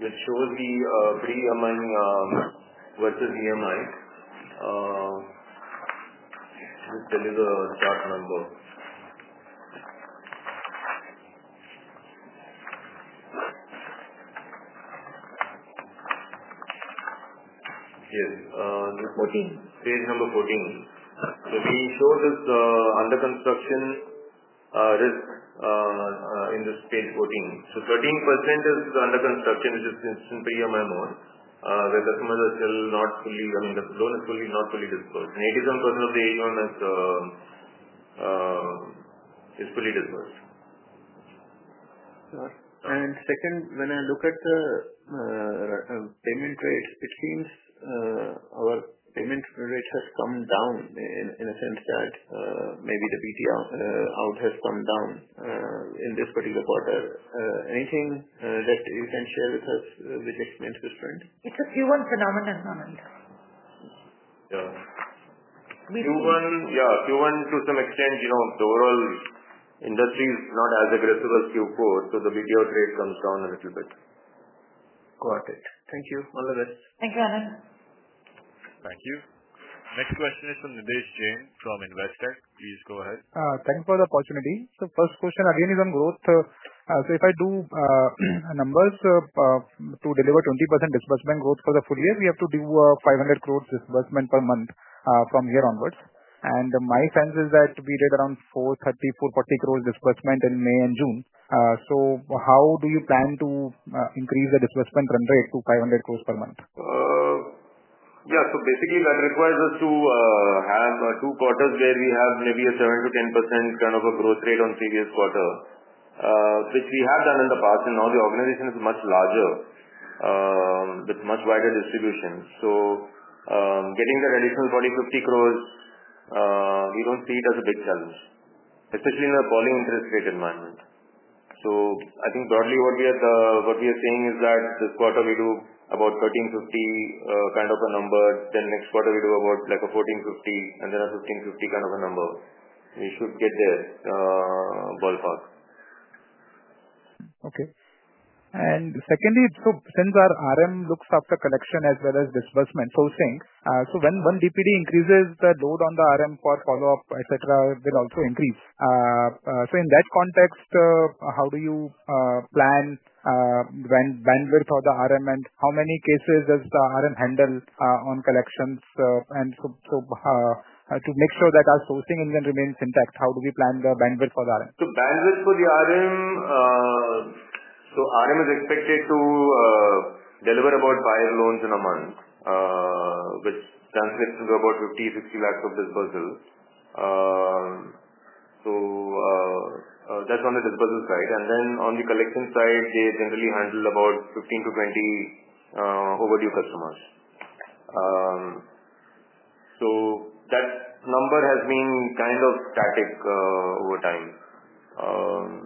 this shows the pre-EMI versus EMI. Let me tell you the exact number. Yes, reporting page number 14. This shows this under construction risk in this page 14. So 13% is the under construction, which is since the EMI mode, where customers are still not fully, I mean, the loan is not fully disbursed. And 87% of the AUM is fully disbursed. When I look at the payment rates, it seems our payment rates have come down in a sense that maybe the BT out has come down in this particular quarter. Anything that you can share with us which makes this trend? It's a Q1 phenomenon, Manoj. Q1, yeah, Q1 to some extent, you know, the overall industry is not as aggressive as Q4. The BTO rate comes down a little bit. Got it. Thank you. All the best. Thank you, Anand. Thank you. Next question is from Nidhesh Jain from Investec. Please go ahead. Thank you for the opportunity. First question, again, is on growth. If I do numbers, to deliver 20% disbursement growth for the full year, we have to do 500 crore disbursement per month from here onwards. My sense is that we did around 430, 440 crore disbursement in May and June. How do you plan to increase the disbursement run rate to 500 crore per month? Yeah. Basically, that requires us to have two quarters where we have maybe a 7%-10% kind of a growth rate on previous quarter, which we have done in the past. Now the organization is much larger, with much wider distribution. Getting that additional 40 crore, 50 crore, we don't see it as a big challenge, especially in a volume interest rate environment. I think broadly what we are saying is that this quarter we do about 1,350 crore, kind of a number. Next quarter we do about like 1,450 crore, and then a 1,550 crore kind of a number. We should get there, ballpark. Okay. Since our RM looks after collection as well as disbursement, when DPD increases, the load on the RM for follow-up, etc., will also increase. In that context, how do you plan the bandwidth for the RM and how many cases does the RM handle on collections? To make sure that our sourcing engine remains intact, how do we plan the bandwidth for the RM? Bandwidth for the RM, so RM is expected to deliver about five loans in a month, which translates into about 5 million- 6 million of disbursal. That's on the disbursal side. On the collection side, they generally handle about 15-20 overdue customers. That number has been kind of static over time.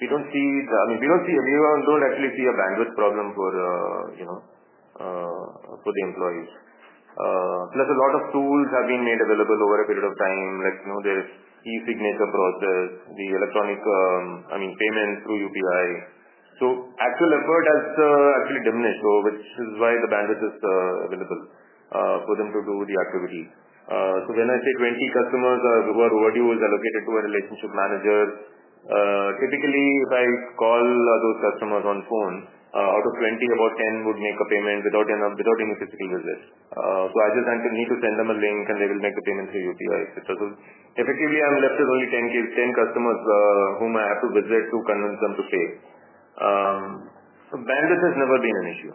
We don't see the, I mean, we don't see, we don't actually see a bandwidth problem for the employees. Plus, a lot of tools have been made available over a period of time, like there's e-signature process, the electronic payments through UPI. Actual effort has actually diminished, which is why the bandwidth is available for them to do the activity. When I say 20 customers who are overdue, it's allocated to a Relationship Manager. Typically, if I call those customers on the phone, out of 20, about 10 would make a payment without any specific reason. I just need to send them a link and they will make the payment through UPI, etc. Effectively, I'm left with only 10 customers whom I have to visit to convince them to pay. Bandwidth has never been an issue.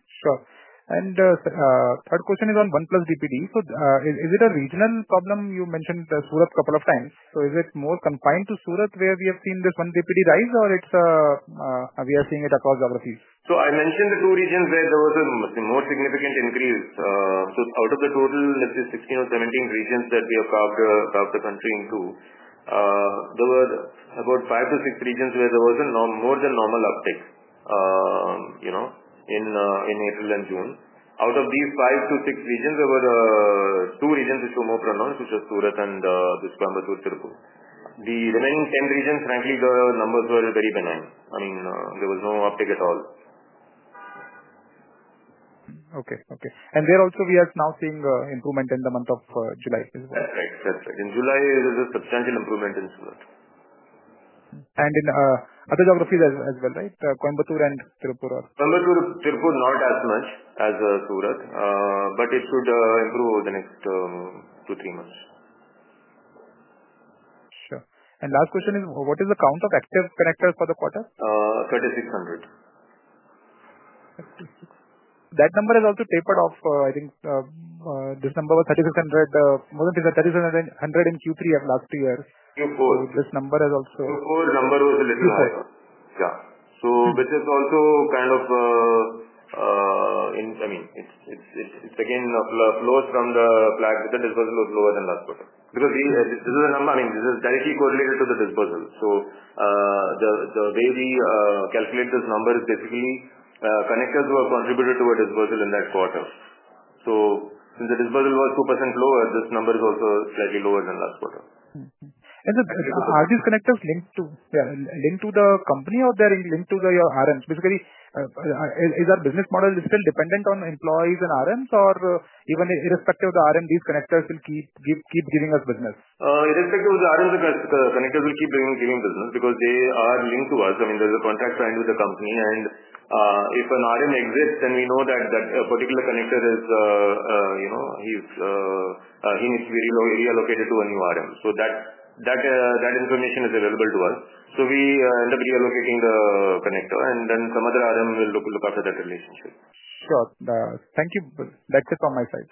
Sure. Third question is on 1+ DPD. Is it a regional problem? You mentioned Surat a couple of times. Is it more confined to Surat where we have seen this 1 DPD rise, or are we seeing it across geographies? I mentioned the two regions where there was a more significant increase. Out of the total, let's say 16 or 17 regions that we have carved out the country into, there were about five to six regions where there was a more than normal uptake in April and June. Out of these five to six regions, there were two regions which were more pronounced, which are Surat and Coimbatore-Tirupur. The remaining seven regions, frankly, the numbers were very benign. I mean, there was no uptake at all. Okay. We are now seeing an improvement in the month of July, isn't it? That's right. That's right. In July, there's a substantial improvement in Surat. In other geographies as well, right? Coimbatore-Tirupur? Coimbatore-Tirupur, not as much as Surat, but it could improve over the next two, three months. Sure, what is the count of active connectors for the quarter? 3,600. That number has also tapered off. I think this number was more than 3,600 in Q3 of last year. Q4. This number is also. Q4 number was a little higher. Yeah. Which is also kind of, I mean, it again flows from the fact that the disbursal was lower than last quarter. Because this is the number, I mean, this is directly correlated to the disbursal. The way we calculate this number is basically, connectors who have contributed to a disbursal in that quarter. Since the disbursal was 2% lower, this number is also slightly lower than last quarter. Are the hardest connectors linked to the company or are they linked to the RMs? Basically, is our business model still dependent on employees and RMs, or even irrespective of the RM, these connectors will keep giving us business? Irrespective of the RM, the connectors will keep giving business because they are linked to us. I mean, there's a contract signed with the company. If an RM exists, then we know that a particular connector is, you know, he needs to be reallocated to a new RM. That information is available to us. We end up reallocating the connector, and then some other RM will look after that relationship. Got it. Thank you. That's it from my side.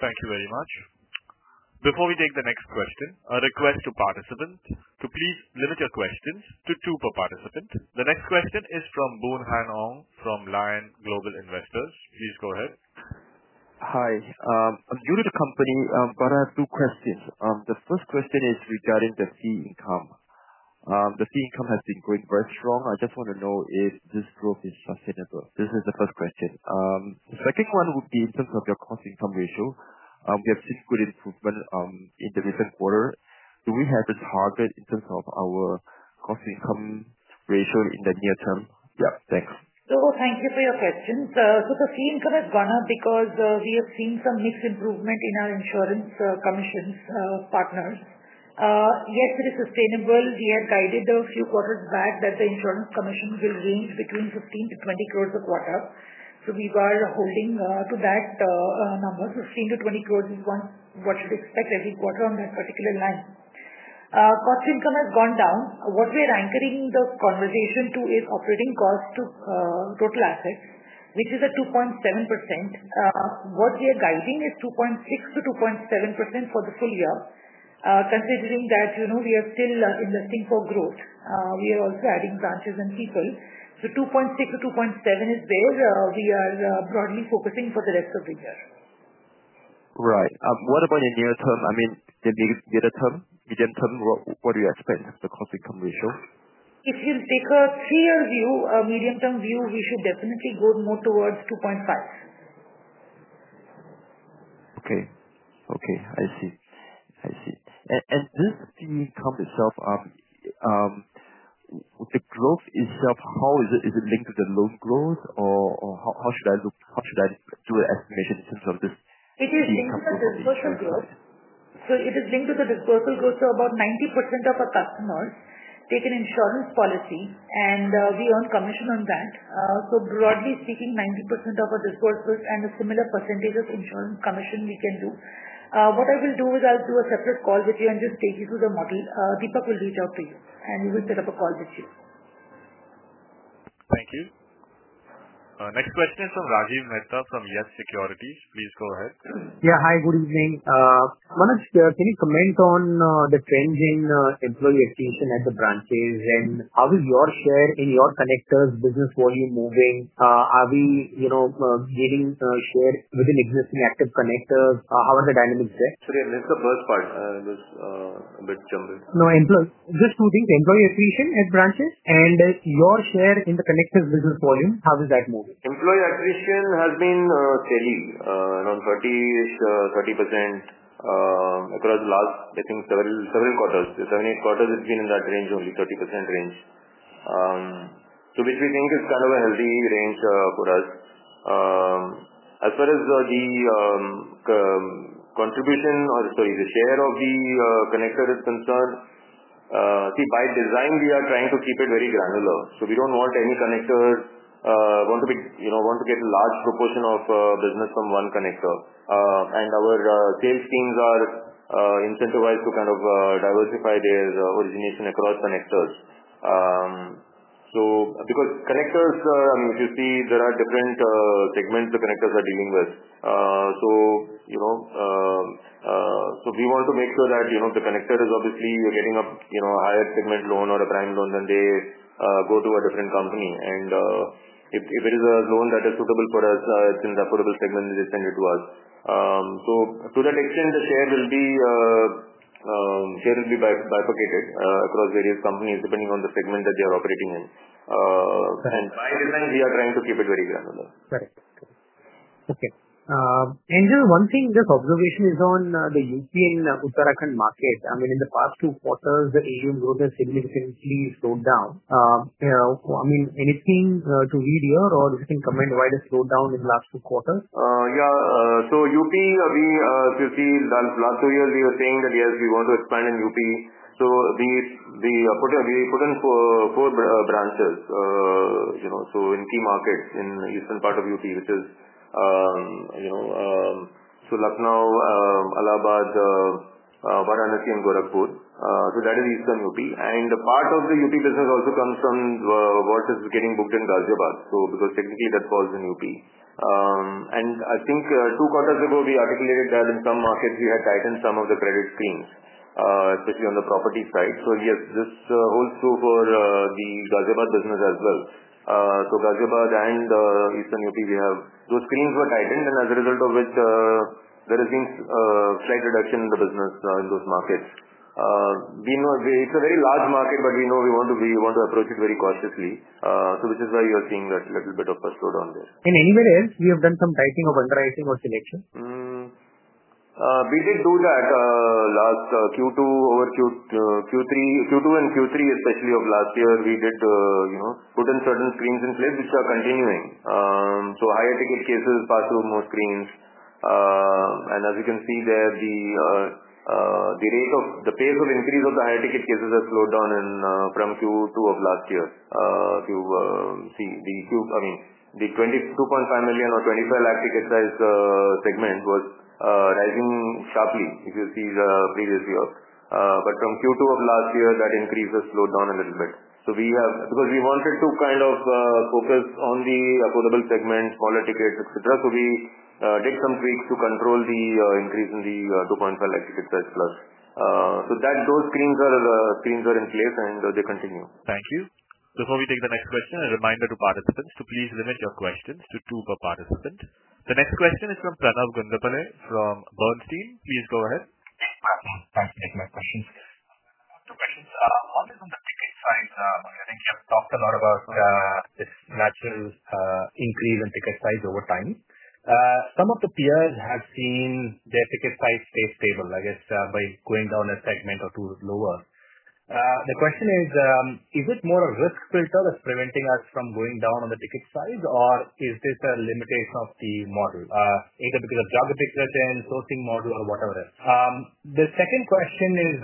Thank you very much. Before we take the next question, a request to participants to please limit your questions to two per participant. The next question is from Boon Han Ong from Lion Global Investors. Please go ahead. Hi. I'm new to the company, but I have two questions. The first question is regarding the fee income. The fee income has been going very strong. I just want to know if this growth is sustainable. This is the first question. The second one would be in terms of your cost-to-income ratio. We have seen good improvements in the recent quarter. Do we have a target in terms of our cost-to-income ratio in the near term? Yeah, thanks. Thank you for your question. The fee income has gone up because we have seen some mixed improvement in our insurance commissions, partners. Yes, it is sustainable. We had guided a few quarters back that the insurance commission will range between 15-20 crore a quarter. We were holding to that number. 15 to 20 crore is what you'd expect every quarter on that particular line. Cost income has gone down. What we are anchoring the conversation to is operating cost to total assets, which is at 2.7%. What we are guiding is 2.6%-2.7% for the full year, considering that we are still investing for growth. We are also adding branches and people. So 2.6%-2.7% is where we are broadly focusing for the rest of the year. Right. What about in the near term? I mean, in the near term, medium term, what do you expect the cost-to-income ratio? If you take a three-year view, a medium-term view, we should definitely go more towards 2.5%. Okay. I see. This fee income itself, the growth itself, how is it linked to the loan growth, or how should I look, how should I do an estimation in terms of this fee income? It is the disbursal growth. It is linked to the disbursal growth. About 90% of our customers take an insurance policy, and we earn commission on that. Broadly speaking, 90% of our disbursals and a similar percentage of insurance commission we can do. What I will do is I'll do a separate call with you and just take you through the model. Deepak Khetan will reach out to you, and we will set up a call with you. Thank you. Next question is from Rajeev Mehta from YES Securities. Please go ahead. Yeah, hi. Good evening. Manoj, can you comment on the trends in employee retention at the branches? How is your share in your connectors' business volume moving? Are we gaining share within existing active connectors? How are the dynamics there? Sorry, I missed the first part. It was a bit jumbled. I'm just talking to employee retention at branches. As your share in the connectors' business volume, how is that moving? Employee retention has been steady, around 30% across the last, I think, several quarters. For seven, eight quarters, it's been in that range, only 30% range, which we think is kind of a healthy range for us. As far as the contribution or, sorry, the share of the connectors, it's in turn, see, by design, we are trying to keep it very granular. We don't want any connector to get a large proportion of business from one connector. Our sales teams are incentivized to diversify their origination across connectors because connectors, I mean, if you see, there are different segments the connectors are dealing with. We want to make sure that the connector is obviously getting a higher segment loan or a prime loan, then they go to a different company. If it is a loan that is suitable for us, it's in the affordable segment, they send it to us. To that extent, the share will be bifurcated across various companies depending on the segment that they are operating in. By design, we are trying to keep it very granular. Correct. Correct. Okay. Angel, one thing, just observation is on the UP and Uttarakhand market. I mean, in the past two quarters, the AUM growth has significantly slowed down. I mean, anything to it here, or if you can comment why the slowdown in the last two quarters? Yeah. UP, we, since the last two years, we were saying that, yes, we want to expand in UP. We put in four branches in key markets in the eastern part of UP, which is Lucknow, Allahabad, Varanasi, and Gorakhpur. That is eastern UP. Part of the UP business also comes from workers getting booked in Ghaziabad because technically that falls in UP. I think two quarters ago, we articulated that in some markets, we had tightened some of the credit screens, especially on the property side. Yes, this holds true for the Ghaziabad business as well. Ghaziabad and eastern UP, those screens were tightened. As a result of it, there has been a slight reduction in the business in those markets. We know it's a very large market, but we know we want to approach it very cautiously, which is why you're seeing that little bit of a slowdown there. Have we done some tightening of underwriting or selection anywhere else? We did do that last Q2 over Q3, Q2 and Q3, especially of last year. We did put in certain screens in place, which are continuing. Higher ticket cases pass through more screens, and as you can see there, the rate of the pace of increase of the higher ticket cases has slowed down from Q2 of last year. If you see the 2.25 million or 2.5 lakh ticket size segment, it was rising sharply if you see the previous year, but from Q2 of last year, that increase has slowed down a little bit. We have, because we wanted to kind of focus on the affordable segment, smaller tickets, etc., did some tweaks to control the increase in the 2.5 lakh ticket size plus. Those screens are in place and they continue. Thank you. Before we take the next question, a reminder to participants to please limit your questions to two per participant. The next question is from Pranav Gundlapalle from Bernstein. Please go ahead. Thanks for taking my questions. It's a natural increase in ticket size over time. Some of the peers have seen their ticket size stay stable, I guess, by going down a segment or two lower. The question is, is it more a risk filter that's preventing us from going down on the ticket size, or is it a limitation of the model, either because of geographic threat and sourcing model or whatever else? The second question is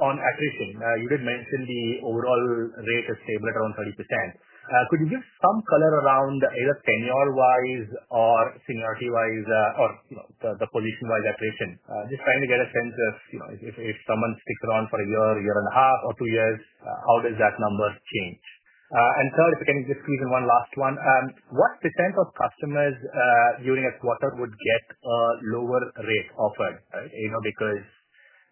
on attrition. You did mention the overall rate is stable at around 30%-10%. Could you give some color around either tenure-wise or seniority-wise or, you know, the position-wise attrition? Just trying to get a sense of, you know, if someone sticks around for a year, year and a half, or two years, how does that number change? Third, if you can give even one last one, what percent of customers during a quarter would get a lower rate offered, right? Either because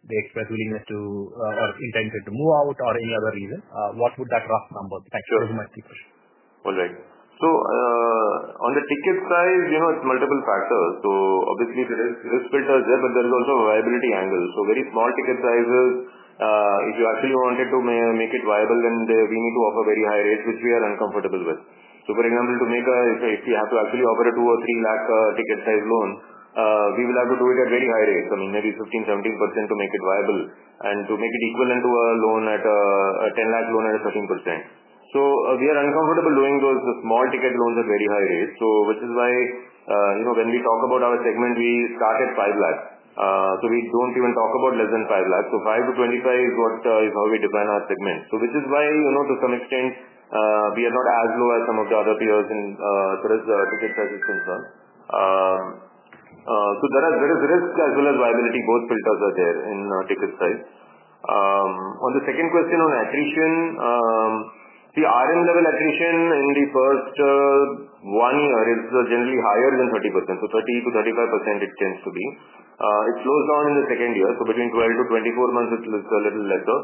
they express willingness to or intended to move out or any other reason. What would that rough number be? Thank you very much. All right. On the ticket size, it's multiple factors. Obviously, there are risk filters there, but there's also a viability angle. Very small ticket sizes, if you actually wanted to make it viable, then we need to offer very high rates, which we are uncomfortable with. For example, if you have to actually offer a 200,000 or 300,000 ticket size loan, we will have to do it at very high rates, maybe 15%-17% to make it viable and to make it equivalent to a INR 1,000,000 loan at 13%. We are uncomfortable doing those small ticket loans at very high rates, which is why, when we talk about our segment, we start at 500,000. We don't even talk about less than 500,000. 500,000 to 2,500,000 is how we define our segment. To some extent, we are not as low as some of the other peers as far as ticket size is concerned. There is risk as well as viability. Both filters are there in ticket size. On the second question on attrition, RM level attrition in the first one year is generally higher than 30%. So 30%-35% it tends to be. It slows down in the second year. Between 12 months-24 months, it's a little lesser.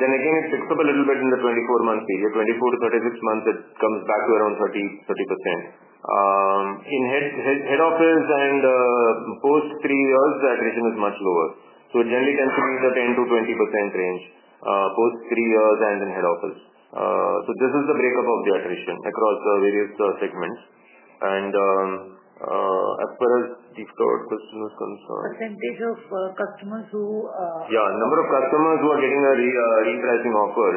Then again, it picks up a little bit in the 24-month period. From 24 months-36 months, it comes back to around 30%, 30%. In head office and post three years, the attrition is much lower. It generally tends to be in the 10%-20% range post three years and in head office. This is the breakup of the attrition across the various segments. As far as the gift card question is concerned. Percentage of customers who, Yeah, the number of customers who are getting a re-pricing offer,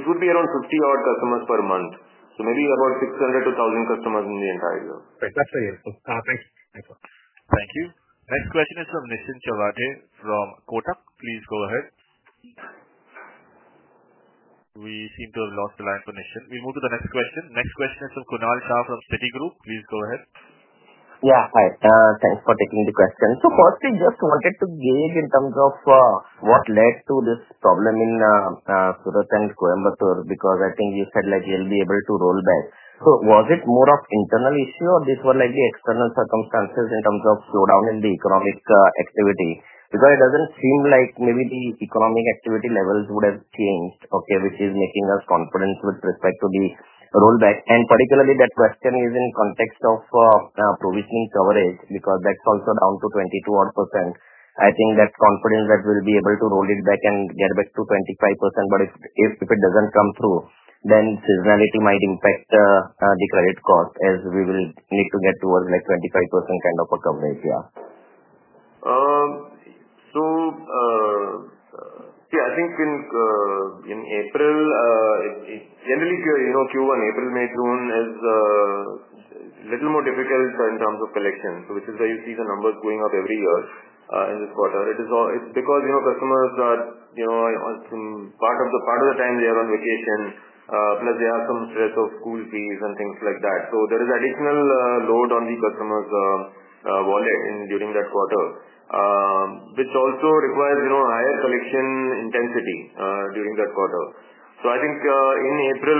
it would be around 50 odd customers per month, so maybe about 600 customers-1,000 customers in the entire year. That's a year's cost. Thank you. Thank you. Next question is from Nishin Chawade from Kotak. Please go ahead. We seem to have lost the line for Nishin. We move to the next question. Next question is from Kunal Shah from Citi Group. Please go ahead. Yeah, hi. Thanks for taking the question. Firstly, just wanted to gauge in terms of what led to this problem in Surat and Coimbatore-Tirupur because I think you said you'll be able to roll back. Was it more of an internal issue or were these external circumstances in terms of slowdown in the economic activity? It doesn't seem like maybe the economic activity levels would have changed, which is making us confident with respect to the rollback. Particularly, that question is in the context of provisioning coverage because that's also down to 24%. I think that's confident that we'll be able to roll it back and get back to 25%. If it doesn't come through, then seasonality might impact the credit cost as we will need to get towards 25% kind of a coverage, yeah. I think in April, it's generally, you know, Q1, April, May, June is a little more difficult in terms of collections, which is why you see the numbers going up every year in this quarter. It's because, you know, customers are, you know, part of the time they are on vacation, plus there are some stress of school fees and things like that. There is additional load on the customer's wallet during that quarter, which also requires a higher collection intensity during that quarter. I think in April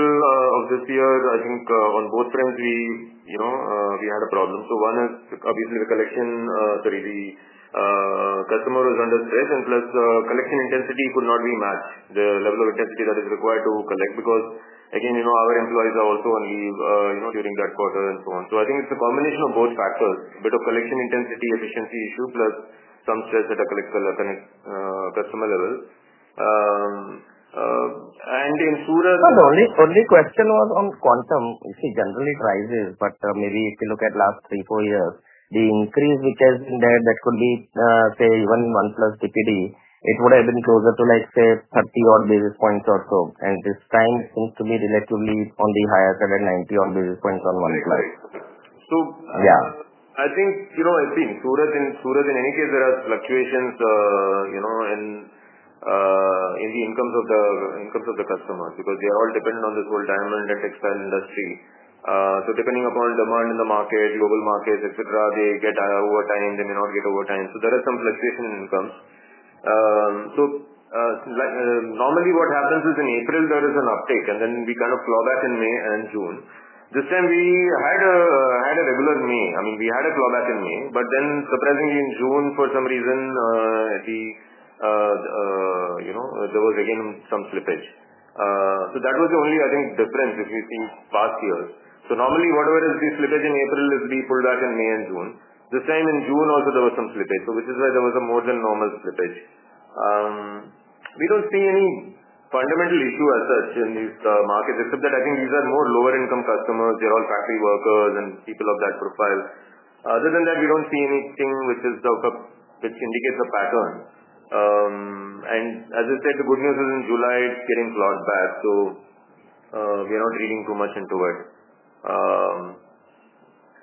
of this year, I think on both fronts, we had a problem. One is obviously the collection, so the customer was under stress and plus, collection intensity could not be met, the level of intensity that is required to collect because again, you know, our employees are also on leave during that quarter and so on. I think it's a combination of both factors, a bit of collection intensity efficiency issue, plus some stress at a customer level, and the insurer. The only question was on quantum. You see, generally, it rises, but maybe if you look at the last three or four years, the increase which has been there, that could be, say, even 1+ TPD, it would have been closer to, like, say, 30 odd basis points or so. This time seems to be relatively on the higher side at 90 odd basis points on 1+. Yeah, I think in Surat in any case, there are fluctuations in the incomes of the customers because they are all dependent on this whole diamond and textile industry. Depending upon demand in the market, global markets, etc., they get overtime. They may not get overtime. There is some fluctuation in income. Normally what happens is in April, there is an uptake, and then we kind of claw back in May and June. This time, we had a regular May. I mean, we had a clawback in May, but then surprisingly in June, for some reason, there was again some slippage. That was the only difference if you see past years. Normally, whatever is the slippage in April is the pullback in May and June. This time in June also, there was some slippage, which is why there was a more than normal slippage. We don't see any fundamental issue as such in these markets except that these are more lower-income customers. They're all factory workers and people of that profile. Other than that, we don't see anything which indicates a pattern. As I said, the good news is in July, it's appearing to flood back. We're not reading too much into it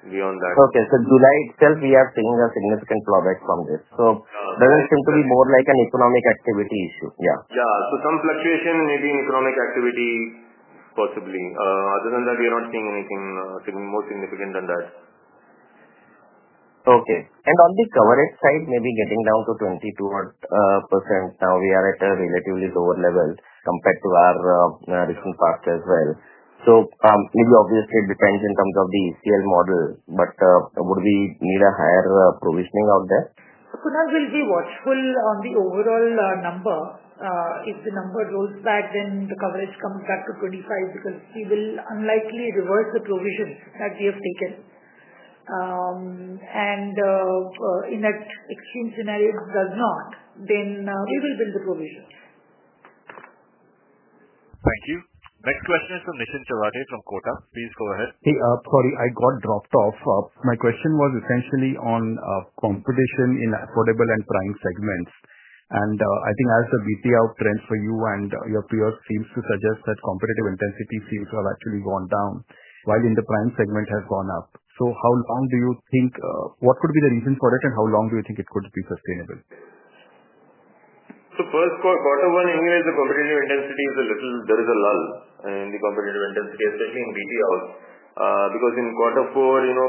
beyond that. Okay. July itself, we are seeing a significant drawback from this. It doesn't seem to be more like an economic activity issue. Yeah. Yeah, some fluctuation maybe in economic activity, possibly. Other than that, we are not seeing anything more significant than that. Okay. On the coverage side, maybe getting down to 22% now, we are at a relatively lower level compared to our recent past as well. Obviously, it depends in terms of the ECL model, but would we need a higher provisioning out there? Kunal will be watchful on the overall number. If the number goes back, then the coverage comes back to 25%, so he will unlikely reverse the provisions that we have taken. In that extreme scenario, if it does not, then we will bend the provisions. Thank you. Next question is from Nischint Chawathe from Kotak. Please go ahead. Hey, sorry, I got dropped off. My question was essentially on competition in the affordable and prime segments. I think as the BTL trend for you and your peers seems to suggest that competitive intensity seems to have actually gone down, while in the prime segment has gone up. How long do you think, what could be the reason for it, and how long do you think it could be sustainable? the first quarter, one thing is the competitive intensity is a little, there is a lull in the competitive intensity, especially in BTLs. In quarter four, you know,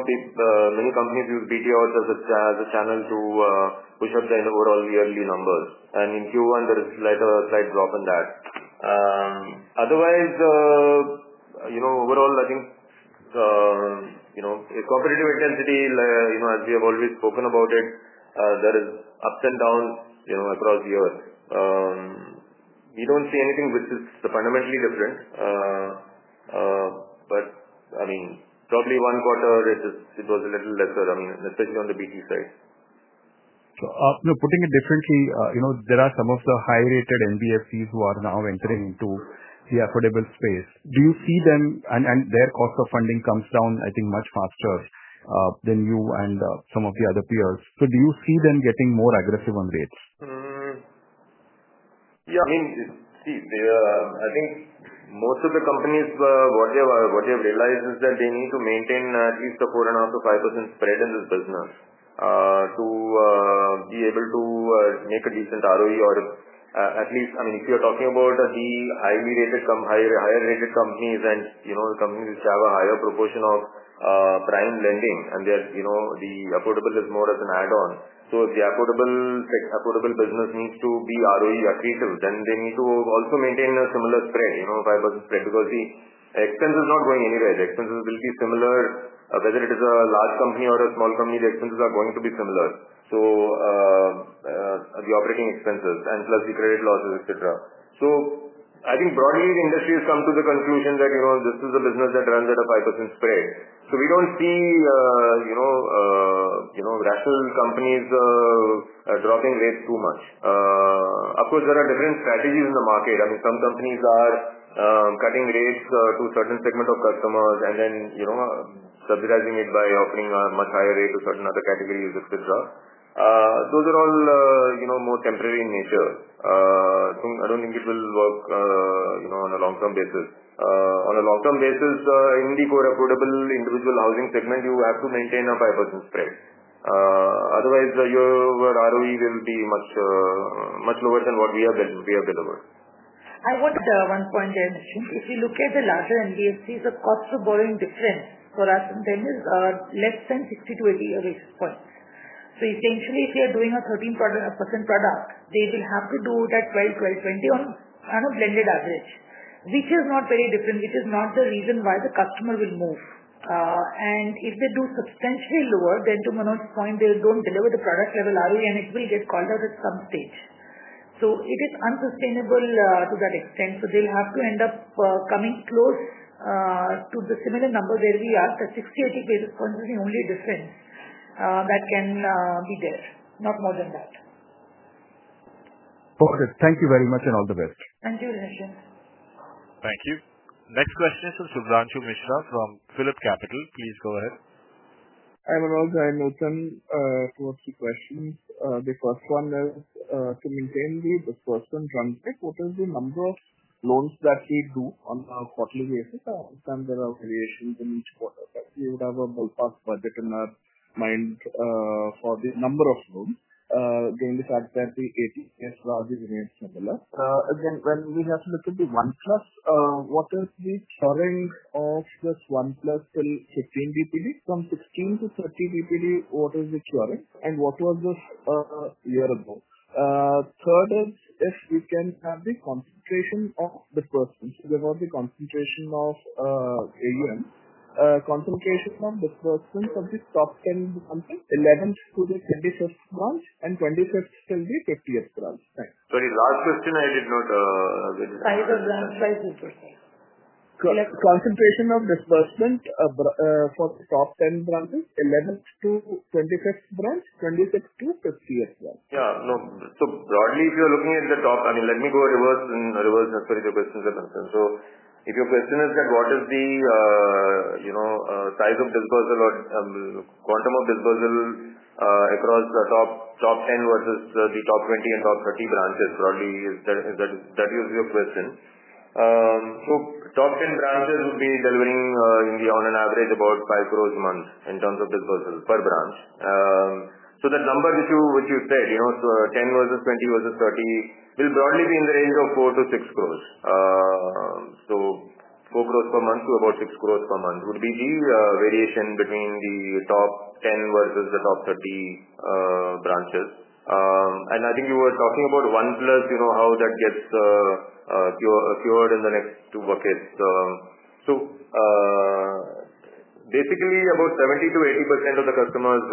many companies use BTLs as a channel to push up their overall yearly numbers. In Q1, there is a slight drop in that. Otherwise, overall, I think the competitive intensity, as we have always spoken about it, there are ups and downs across the year. We don't see anything which is fundamentally different. Probably one quarter, it just, it was a little less good, especially on the BT side. After putting it differently, you know, there are some of the high-rated NBFCs who are now entering into the affordable space. Do you see them, and their cost of funding comes down, I think, much faster than you and some of the other peers? Do you see them getting more aggressive on rates? Yeah. See, I think most of the companies, what they have realized is that they need to maintain at least a 4,500-5,000 spread in this business to be able to make a decent ROE or, at least, I mean, if you're talking about the highly rated, higher rated companies and, you know, the companies which have a higher proportion of prime lending and they're, you know, the Affordable is more of an add-on. If the Affordable, like, Affordable business needs to be ROE-effective, then they need to also maintain a similar spread, you know, a 5,000 spread because the expense is not going anywhere. The expenses will be similar, whether it is a large company or a small company, the expenses are going to be similar. The operating expenses and plus the credit losses, etc. I think broadly the industry has come to the conclusion that this is a business that runs at a 5,000 spread. We don't see rental companies dropping rates too much. Of course, there are different strategies in the market. Some companies are cutting rates to a certain segment of customers and then, you know, subsidizing it by offering a much higher rate to certain other categories. Those are all more temporary in nature. I don't think it will work on a long-term basis. On a long-term basis, in the core Affordable individual housing segment, you have to maintain a 5,000 spread. Otherwise, your ROE will be much, much lower than what we have delivered. One point is, if you look at the larger NBFCs, the cost of borrowing difference for us in general is less than 60-80 a month. Essentially, if you're doing a 13% product, they will have to do that 12%, 12.20% on a blended average, which is not very different. It is not the reason why the customer will move. If they do substantially lower, then to Manoj's point, they don't deliver the product at a loss and it will get called out at some stage. It is unsustainable to that extent. They'll have to end up coming close to the similar number where we are. The 60 or 80 is the only difference that can be there, not more than that. Okay, thank you very much and all the best. Thank you, Rameshan. Thank you. Next question is from Subhanshu Mishra from PhilipCapital. Please go ahead. Hi, Manoj. Hi, Nutan. A few questions. The first one is, to maintain the first and front, what is the number of loans that they do on a quarterly basis and what are their variations in each quarter? That you would have a ballpark budget in that mind, for the number of loans, given the fact that the ATTS runs at a rate similar. Again, when we have to look at the OnePlus, what is the current of this OnePlus till fifteen BPD? From fifteen to thirty BPD, what is its range? What was this, year ago? Third is if we can have the compensation of the person. So there was the compensation of, AUM. Concentration of disbursements of the top ten becomes eleven to the twenty-first branch and twenty-first till the fiftieth branch. Very large question. I did not get it. Size of branch by super size. Correct. Concentration of disbursements, for the top ten branches, eleven to twenty-first branch, twenty-first to fiftieth branch. Yeah. No. Broadly, if you're looking at the top, let me go reverse and reverse the questions to Nutan. If your question is what is the size of disbursal or quantum of disbursal across the top ten versus the top twenty and top thirty branches, broadly, is that your question? Top ten branches would be delivering on an average about 5 crore a month in terms of disbursals per branch. That number that you said, ten versus twenty versus thirty, will broadly be in the range of 4 crore-6 crore. 4 crore per month to about 6 crore per month would be the variation between the top ten versus the top thirty branches. I think you were talking about OnePlus, how that gets cured in the next two buckets. Basically, about 70%-80% of the customers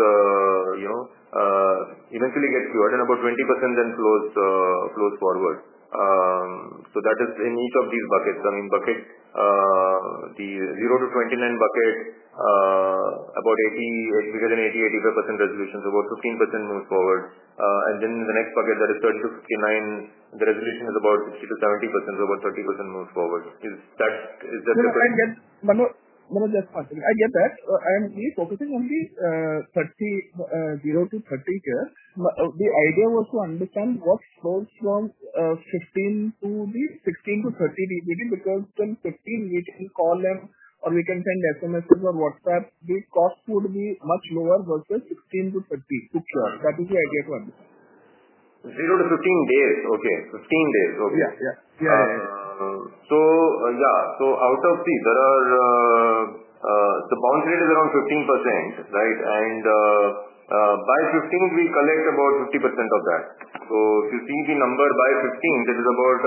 eventually get cured and about 20% then close forward. That is the needs of these buckets. Bucket, the zero to twenty-nine bucket, about 80%, it's because an 80%-85% resolution, so about 15% moves forward. In the next bucket, that is thirty to fifty-nine, the resolution is about 50%-70%, so about 30% moves forward. Is that the question? Manoj, just one second. I get that. I am really focusing only, zero to 30 chairs. The idea was to understand what flows from fifteen to the sixteen to thirty BPD because till fifteen, we can call them or we can send SMSs or WhatsApp. The cost would be much lower versus sixteen to thirty. That is the idea to understand. Zero to 15 days. Okay. 15 days. Okay. Yeah. Yeah. Yeah, so out of the, the boundary is around 15%, right? By 15, we collect about 50% of that. If you think the number by 15, that is about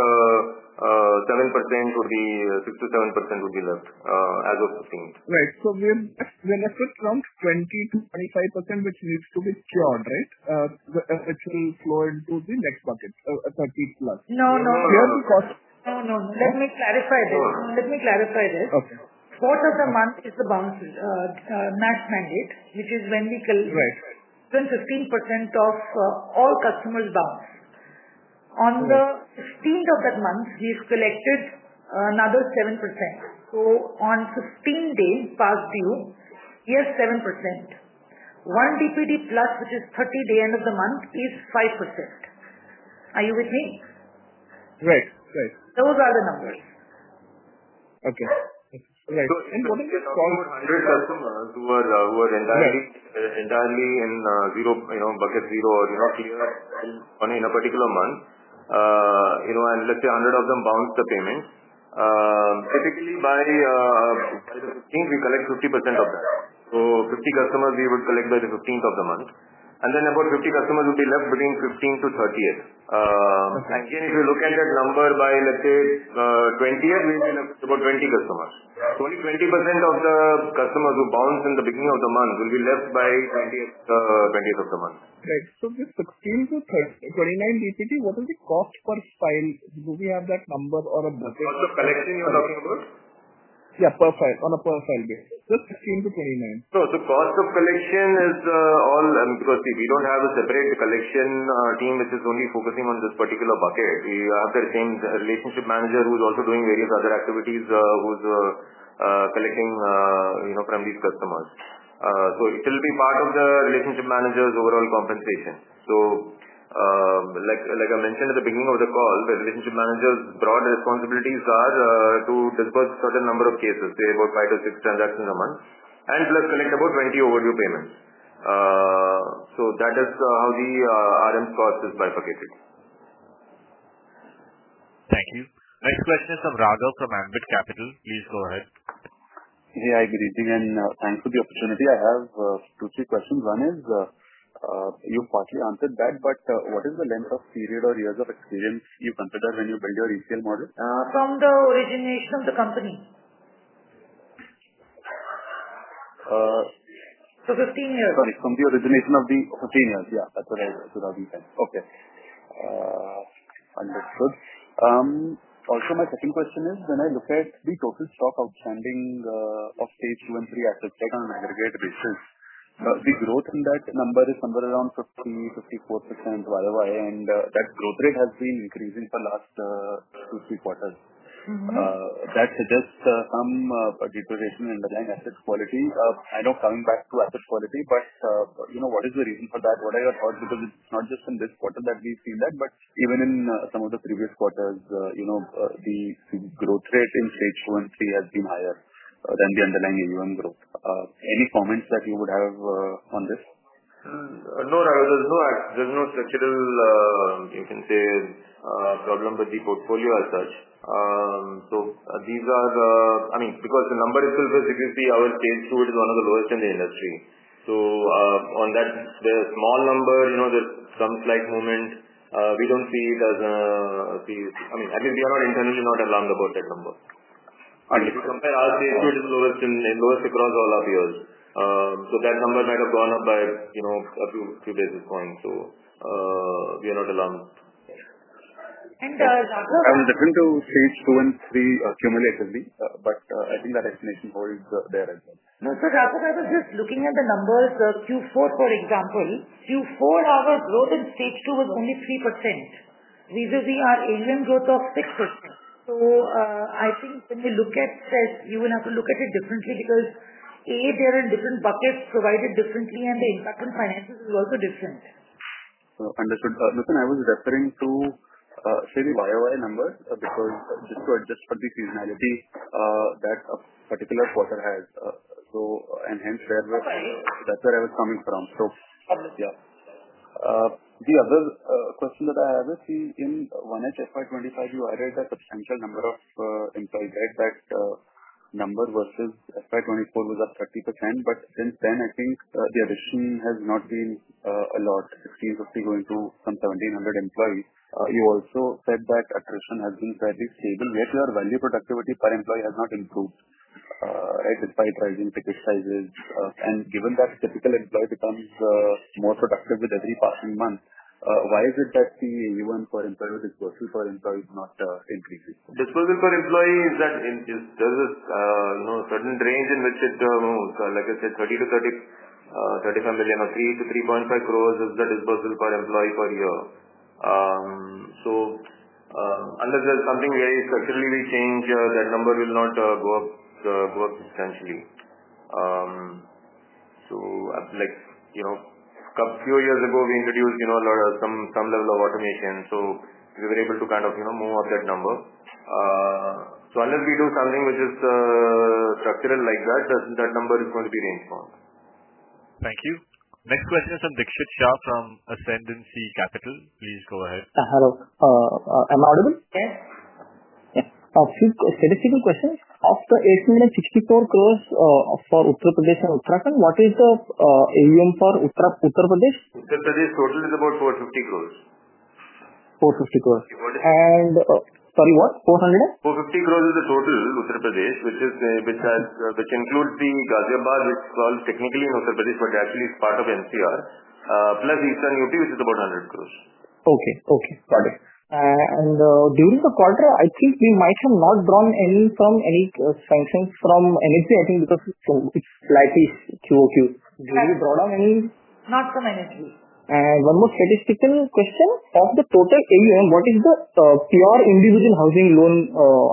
7% of the, 6% to 7% would be left, as of 15. Right. When I say from 20%-25%, which needs to be cured, it's flowing to the next bucket, 30+. No, no, no. The only cost. No, no. Let me clarify this. Let me clarify this. Okay. Fourth of the month is the bounty match mandate, which is when we collect. Right. Fifteen percent of all customers bounce. On the fifteenth of that month, we've collected another 7%. On fifteen days past due, we have 7%. One BPD plus, which is thirty day end of the month, is 5%. Are you with me? Right. Right. Those are the numbers. Okay. Right. In order to get all the hundred customers who are entirely in, zero, you know, bucket zero or, you know, clear, I mean, in a particular month, you know, let's say a hundred of them bounce the payment. Typically, by the fifteenth, we collect 50% of that. Fifty customers we would collect by the fifteenth of the month, and then about fifty customers would be left between fifteen to twenty-eighth. If you look at that number by, let's say, twenty-eighth, we'll be left about twenty customers. Twenty, 20% of the customers who bounce in the beginning of the month will be left by twenty-eighth, twenty-eighth of the month. Right. If fifteen to twenty-nine BPD, what are the costs per file? Do we have that number or a bucket? The collection you're talking about? Yeah, per file, on a per file basis, just fifteen to twenty-nine. The cost of collection is, I mean, because we don't have a separate collection team which is only focusing on this particular bucket. You have the same relationship manager who's also doing various other activities, who's collecting, you know, from these customers. It will be part of the relationship manager's overall compensation. Like I mentioned at the beginning of the call, the relationship manager's broad responsibilities are to disburse a certain number of cases, say about five to six transactions a month, and plus collect about 20 overdue payments. That is how the RM cost is bifurcated. Thank you. Next question is from Raghav from Ambit Capital. Please go ahead. Hey, I've been reading and thanks for the opportunity. I have two, three questions. One is, you partially answered that, but what is the length of period or years of experience you consider when you build your ECL model? From the origination of the company, fifteen years. Sorry. From the origination of the fifteen years. Yeah. That's what I thought I'd be asked. Okay. Understood. Also, my second question is, when I look at the total stock outstanding, of phase II and III after. On an aggregate basis, the growth in that number is somewhere around 50%, 54%, whatever, and that growth rate has been decreasing for the last two, three quarters. Mm-hmm. That suggests some deterioration in underlying asset quality. I know coming back to asset quality, but what is the reason for that? What are your thoughts? Because it's not just in this quarter that we've seen that, but even in some of the previous quarters, the growth rate in stage two and three has been higher than the underlying AUM growth. Any comments that you would have on this? No, Raghav. There's no structural, you can say, problem with the portfolio as such. These are, I mean, because the number itself is, our phase II is one of the lowest in the industry. On that, the small number, there's some slight movement. We don't see it as a, I mean, we are not internally alarmed about that number. If you compare, our phase two is the lowest across all our peers. That number might have gone up by a few basis points. We are not alarmed. I'm looking to phase II and III, primarily assembly, but I think that estimation holds there as well. No. Raghav, I was just looking at the numbers, Q4, for example. Q4, our growth in stage two was only 3%. We were the, our AUM growth of 6%. I think when you look at it, you would have to look at it differently because A, they're in different buckets provided differently, and the impact on finances is also different. Understood. Nutan, I was referring to, say, the YOI numbers, because this was just for the seasonality that a particular quarter has, and hence where we're buying. That's where I was coming from. The other question that I have is, see, in one HFY 2025, you added that substantial number of employees, right? That number versus FY 2024 was at 30%, but since then, I think the addition has not been a lot. Fifty is fifty going to some 1,700 employees. You also said that attrition has been fairly stable. Yet your value productivity per employee has not improved. It was by driving package sizes, and given that a typical employee becomes more productive with every passing month, why is it that the AUM for employees is versus for employees not increasing? Disbursal per employee is that in, is there, is this, you know, certain range in which it, you know, like I said, 30 million-35 million or 3 crores-3.5 crores is the disbursal per employee per year. Unless there's something very structurally we change, that number will not go up substantially. Like, you know, a few years ago, we introduced, you know, a lot of some level of automation. We were able to kind of move up that number. Unless we do something which is structural like that, then that number is going to be ranged more. Thank you. Next question is from Dixit Shah from Ascendancy Capital. Please go ahead. Hello, am I audible? Yes. Yes, a few questions. After 864 crore for Uttar Pradesh and Uttarakhand, what is the AUM for Uttar Pradesh? The total is about 450 crore. 450 crores. Four hundred. Sorry, what? Four hundred is? 450 crores is the total in Uttar Pradesh, which has the conclaves being Ghaziabad, which is called technically in Uttar Pradesh, but actually it's part of NCR, plus Eastern UP, which is about 100 crores. Okay. Got it. During the quarter, I think we might have not drawn any from any sanctions from NFC, I think, because it's slightly QOQ. Do we draw down any? Not from NFC. One more statistical question. Of the total AUM, what is the pure individual housing loan,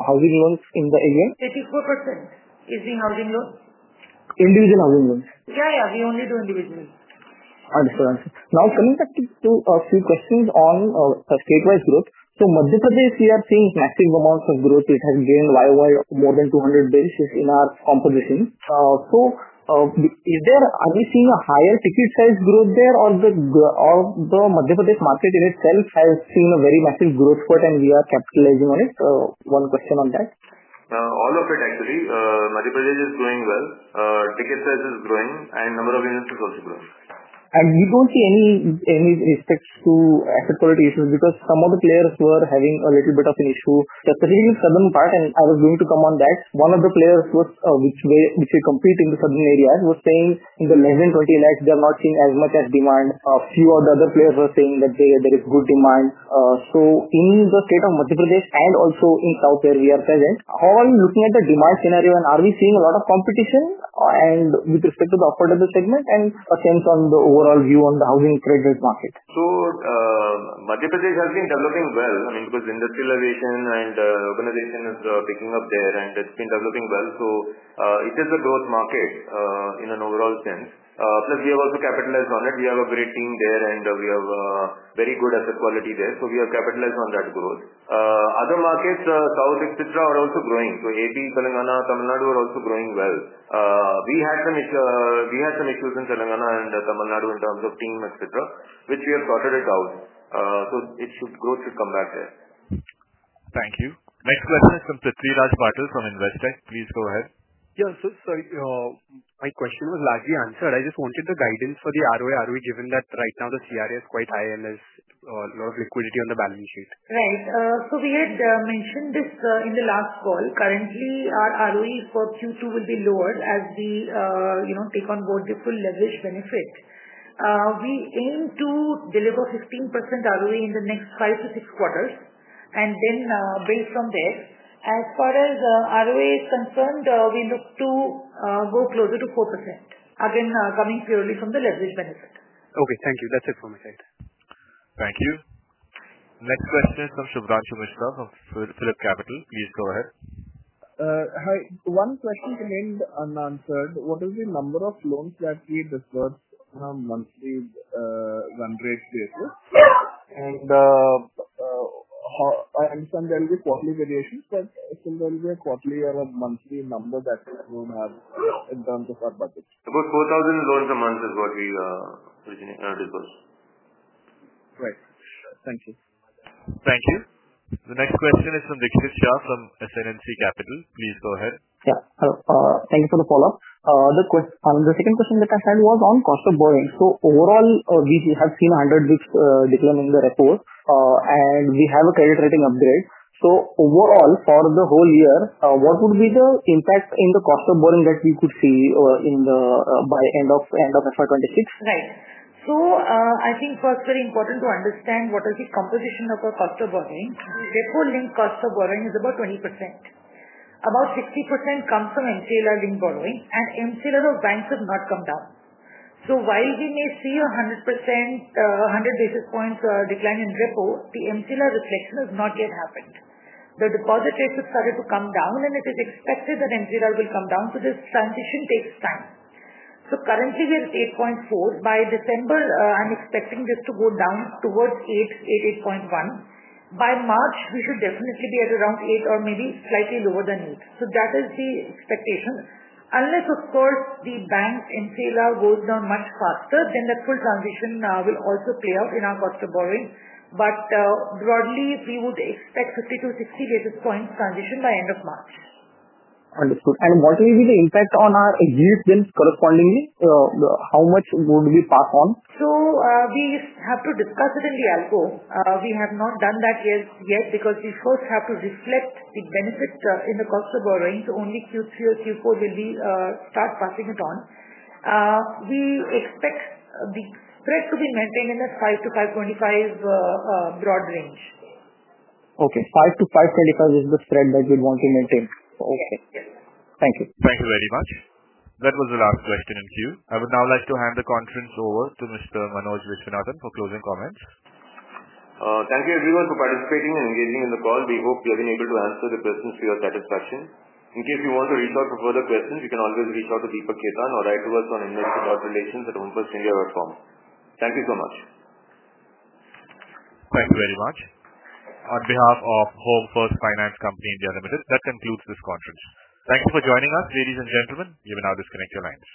housing loans in the AUM? 34% is the housing loan. Individual housing loan. Yeah, yeah. We only do individual. Understood. Now, coming back to a few questions on statewide growth. Madhya Pradesh, we are seeing massive amounts of growth. It has gained YOI more than 200 basis in our composition. Is there, are we seeing a higher ticket size growth there or the Madhya Pradesh market in itself has seen a very massive growth spurt and we are capitalizing on it? One question on that. All of it, actually. Madhya Pradesh is growing well. Ticket size is growing and number of units is also growing. We don't see any respects to asset quality issues because some of the players were having a little bit of an issue. Particularly the southern part, and I was going to come on that. One of the players which we compete with in the southern areas was saying in the less than 2 million, they're not seeing as much demand. A few of the other players were saying that, hey, there is good demand. In the state of Madhya Pradesh and also in South, where we are present, how are you looking at the demand scenario and are we seeing a lot of competition with respect to the affordable segment and a sense on the overall view on the housing credit rate market? Madhya Pradesh has been developing well. I mean, because industrialization and urbanization is picking up there and it's been developing well. It is a growth market, in an overall sense. Plus we have also capitalized on it. We have a great team there and we have very good asset quality there. We have capitalized on that growth. Other markets, South, etc., are also growing. AP, Telangana, Tamil Nadu are also growing well. We had some issues in Telangana and Tamil Nadu in terms of team, etc., which we have sorted out. Growth should come back there. Thank you. Next question is from Prithviraj Patil from Investec. Please go ahead. Yeah, my question was largely answered. I just wanted the guidance for the ROI, given that right now the CRA is quite high and there's a lot of liquidity on the balance sheet. Right. We had mentioned this in the last call. Currently, our ROE for Q2 will be lower as we, you know, take on board the full leverage benefit. We aim to deliver 15% ROE in the next five to six quarters. Based on this, as far as ROA is concerned, we look to go closer to 4%, again coming purely from the leverage benefit. Okay. Thank you. That's it for my side. Thank you. Next question is from Subhanshu Mishra of PhilipCapital. Please go ahead. Hi. One question remains unanswered. What is the number of loans that we disburse on a monthly run rate basis? I understand there will be quarterly variations, but will it be a quarterly or a monthly number that we'll have in terms of our budget. About 4,000 loans a month is what we originally disburse. Right. Thank you. Thank you. The next question is from Dixit Shah from Ascendancy Capital. Please go ahead. Yeah. Thank you for the follow-up. The question, the second question that I had was on cost of borrowing. Overall, we have seen 100 basis points decline in the report, and we have a credit rating upgrade. Overall, for the whole year, what would be the impact in the cost of borrowing that we could see by end of FY 2026? Right. I think first, very important to understand what is the composition of our cost of borrowing. The depo linked cost of borrowing is about 20%. About 60% comes from MCLR linked borrowing, and MCLR of banks have not come down. While we may see a 100 basis points decline in depo, the MCLR reflection has not yet happened. The deposit rates have started to come down, and it is expected that MCLR will come down. This transition takes time. Currently, we are at 8.4. By December, I'm expecting this to go down towards 8, 8.1. By March, we should definitely be at around 8 or maybe slightly lower than 8. That is the expectation. Unless, of course, the banks' MCLR goes down much faster, then the full transition will also play out in our cost of borrowing. Broadly, we would expect 50 basis points-60 basis points transition by end of March. Understood. What will be the impact on our yields then correspondingly? How much would we park on? We have to disburse it in the Algo. We have not done that yet because we first have to reflect the benefits in the cost of borrowing. Only Q3 or Q4 will be, start passing it on. We expect the spread to be maintained in a 5%-5.25% broad range. Okay. Five to 5.25% is the spread that you'd want to maintain. Okay. Thank you. Thank you very much. That was the last question in queue. I would now like to hand the conference over to Mr. Manoj Viswanathan for closing comments. Thank you everyone for participating and engaging in the call. We hope you have been able to answer the questions we have had in person. In case you want to reach out for further questions, you can always reach out to Deepak Khetan or write to us on innovate.relations@homefirstindia.com. Thank you so much. Thank you very much. On behalf of Home First Finance Company India Limited, that concludes this conference. Thank you for joining us. Ladies and gentlemen, we will now disconnect your lines.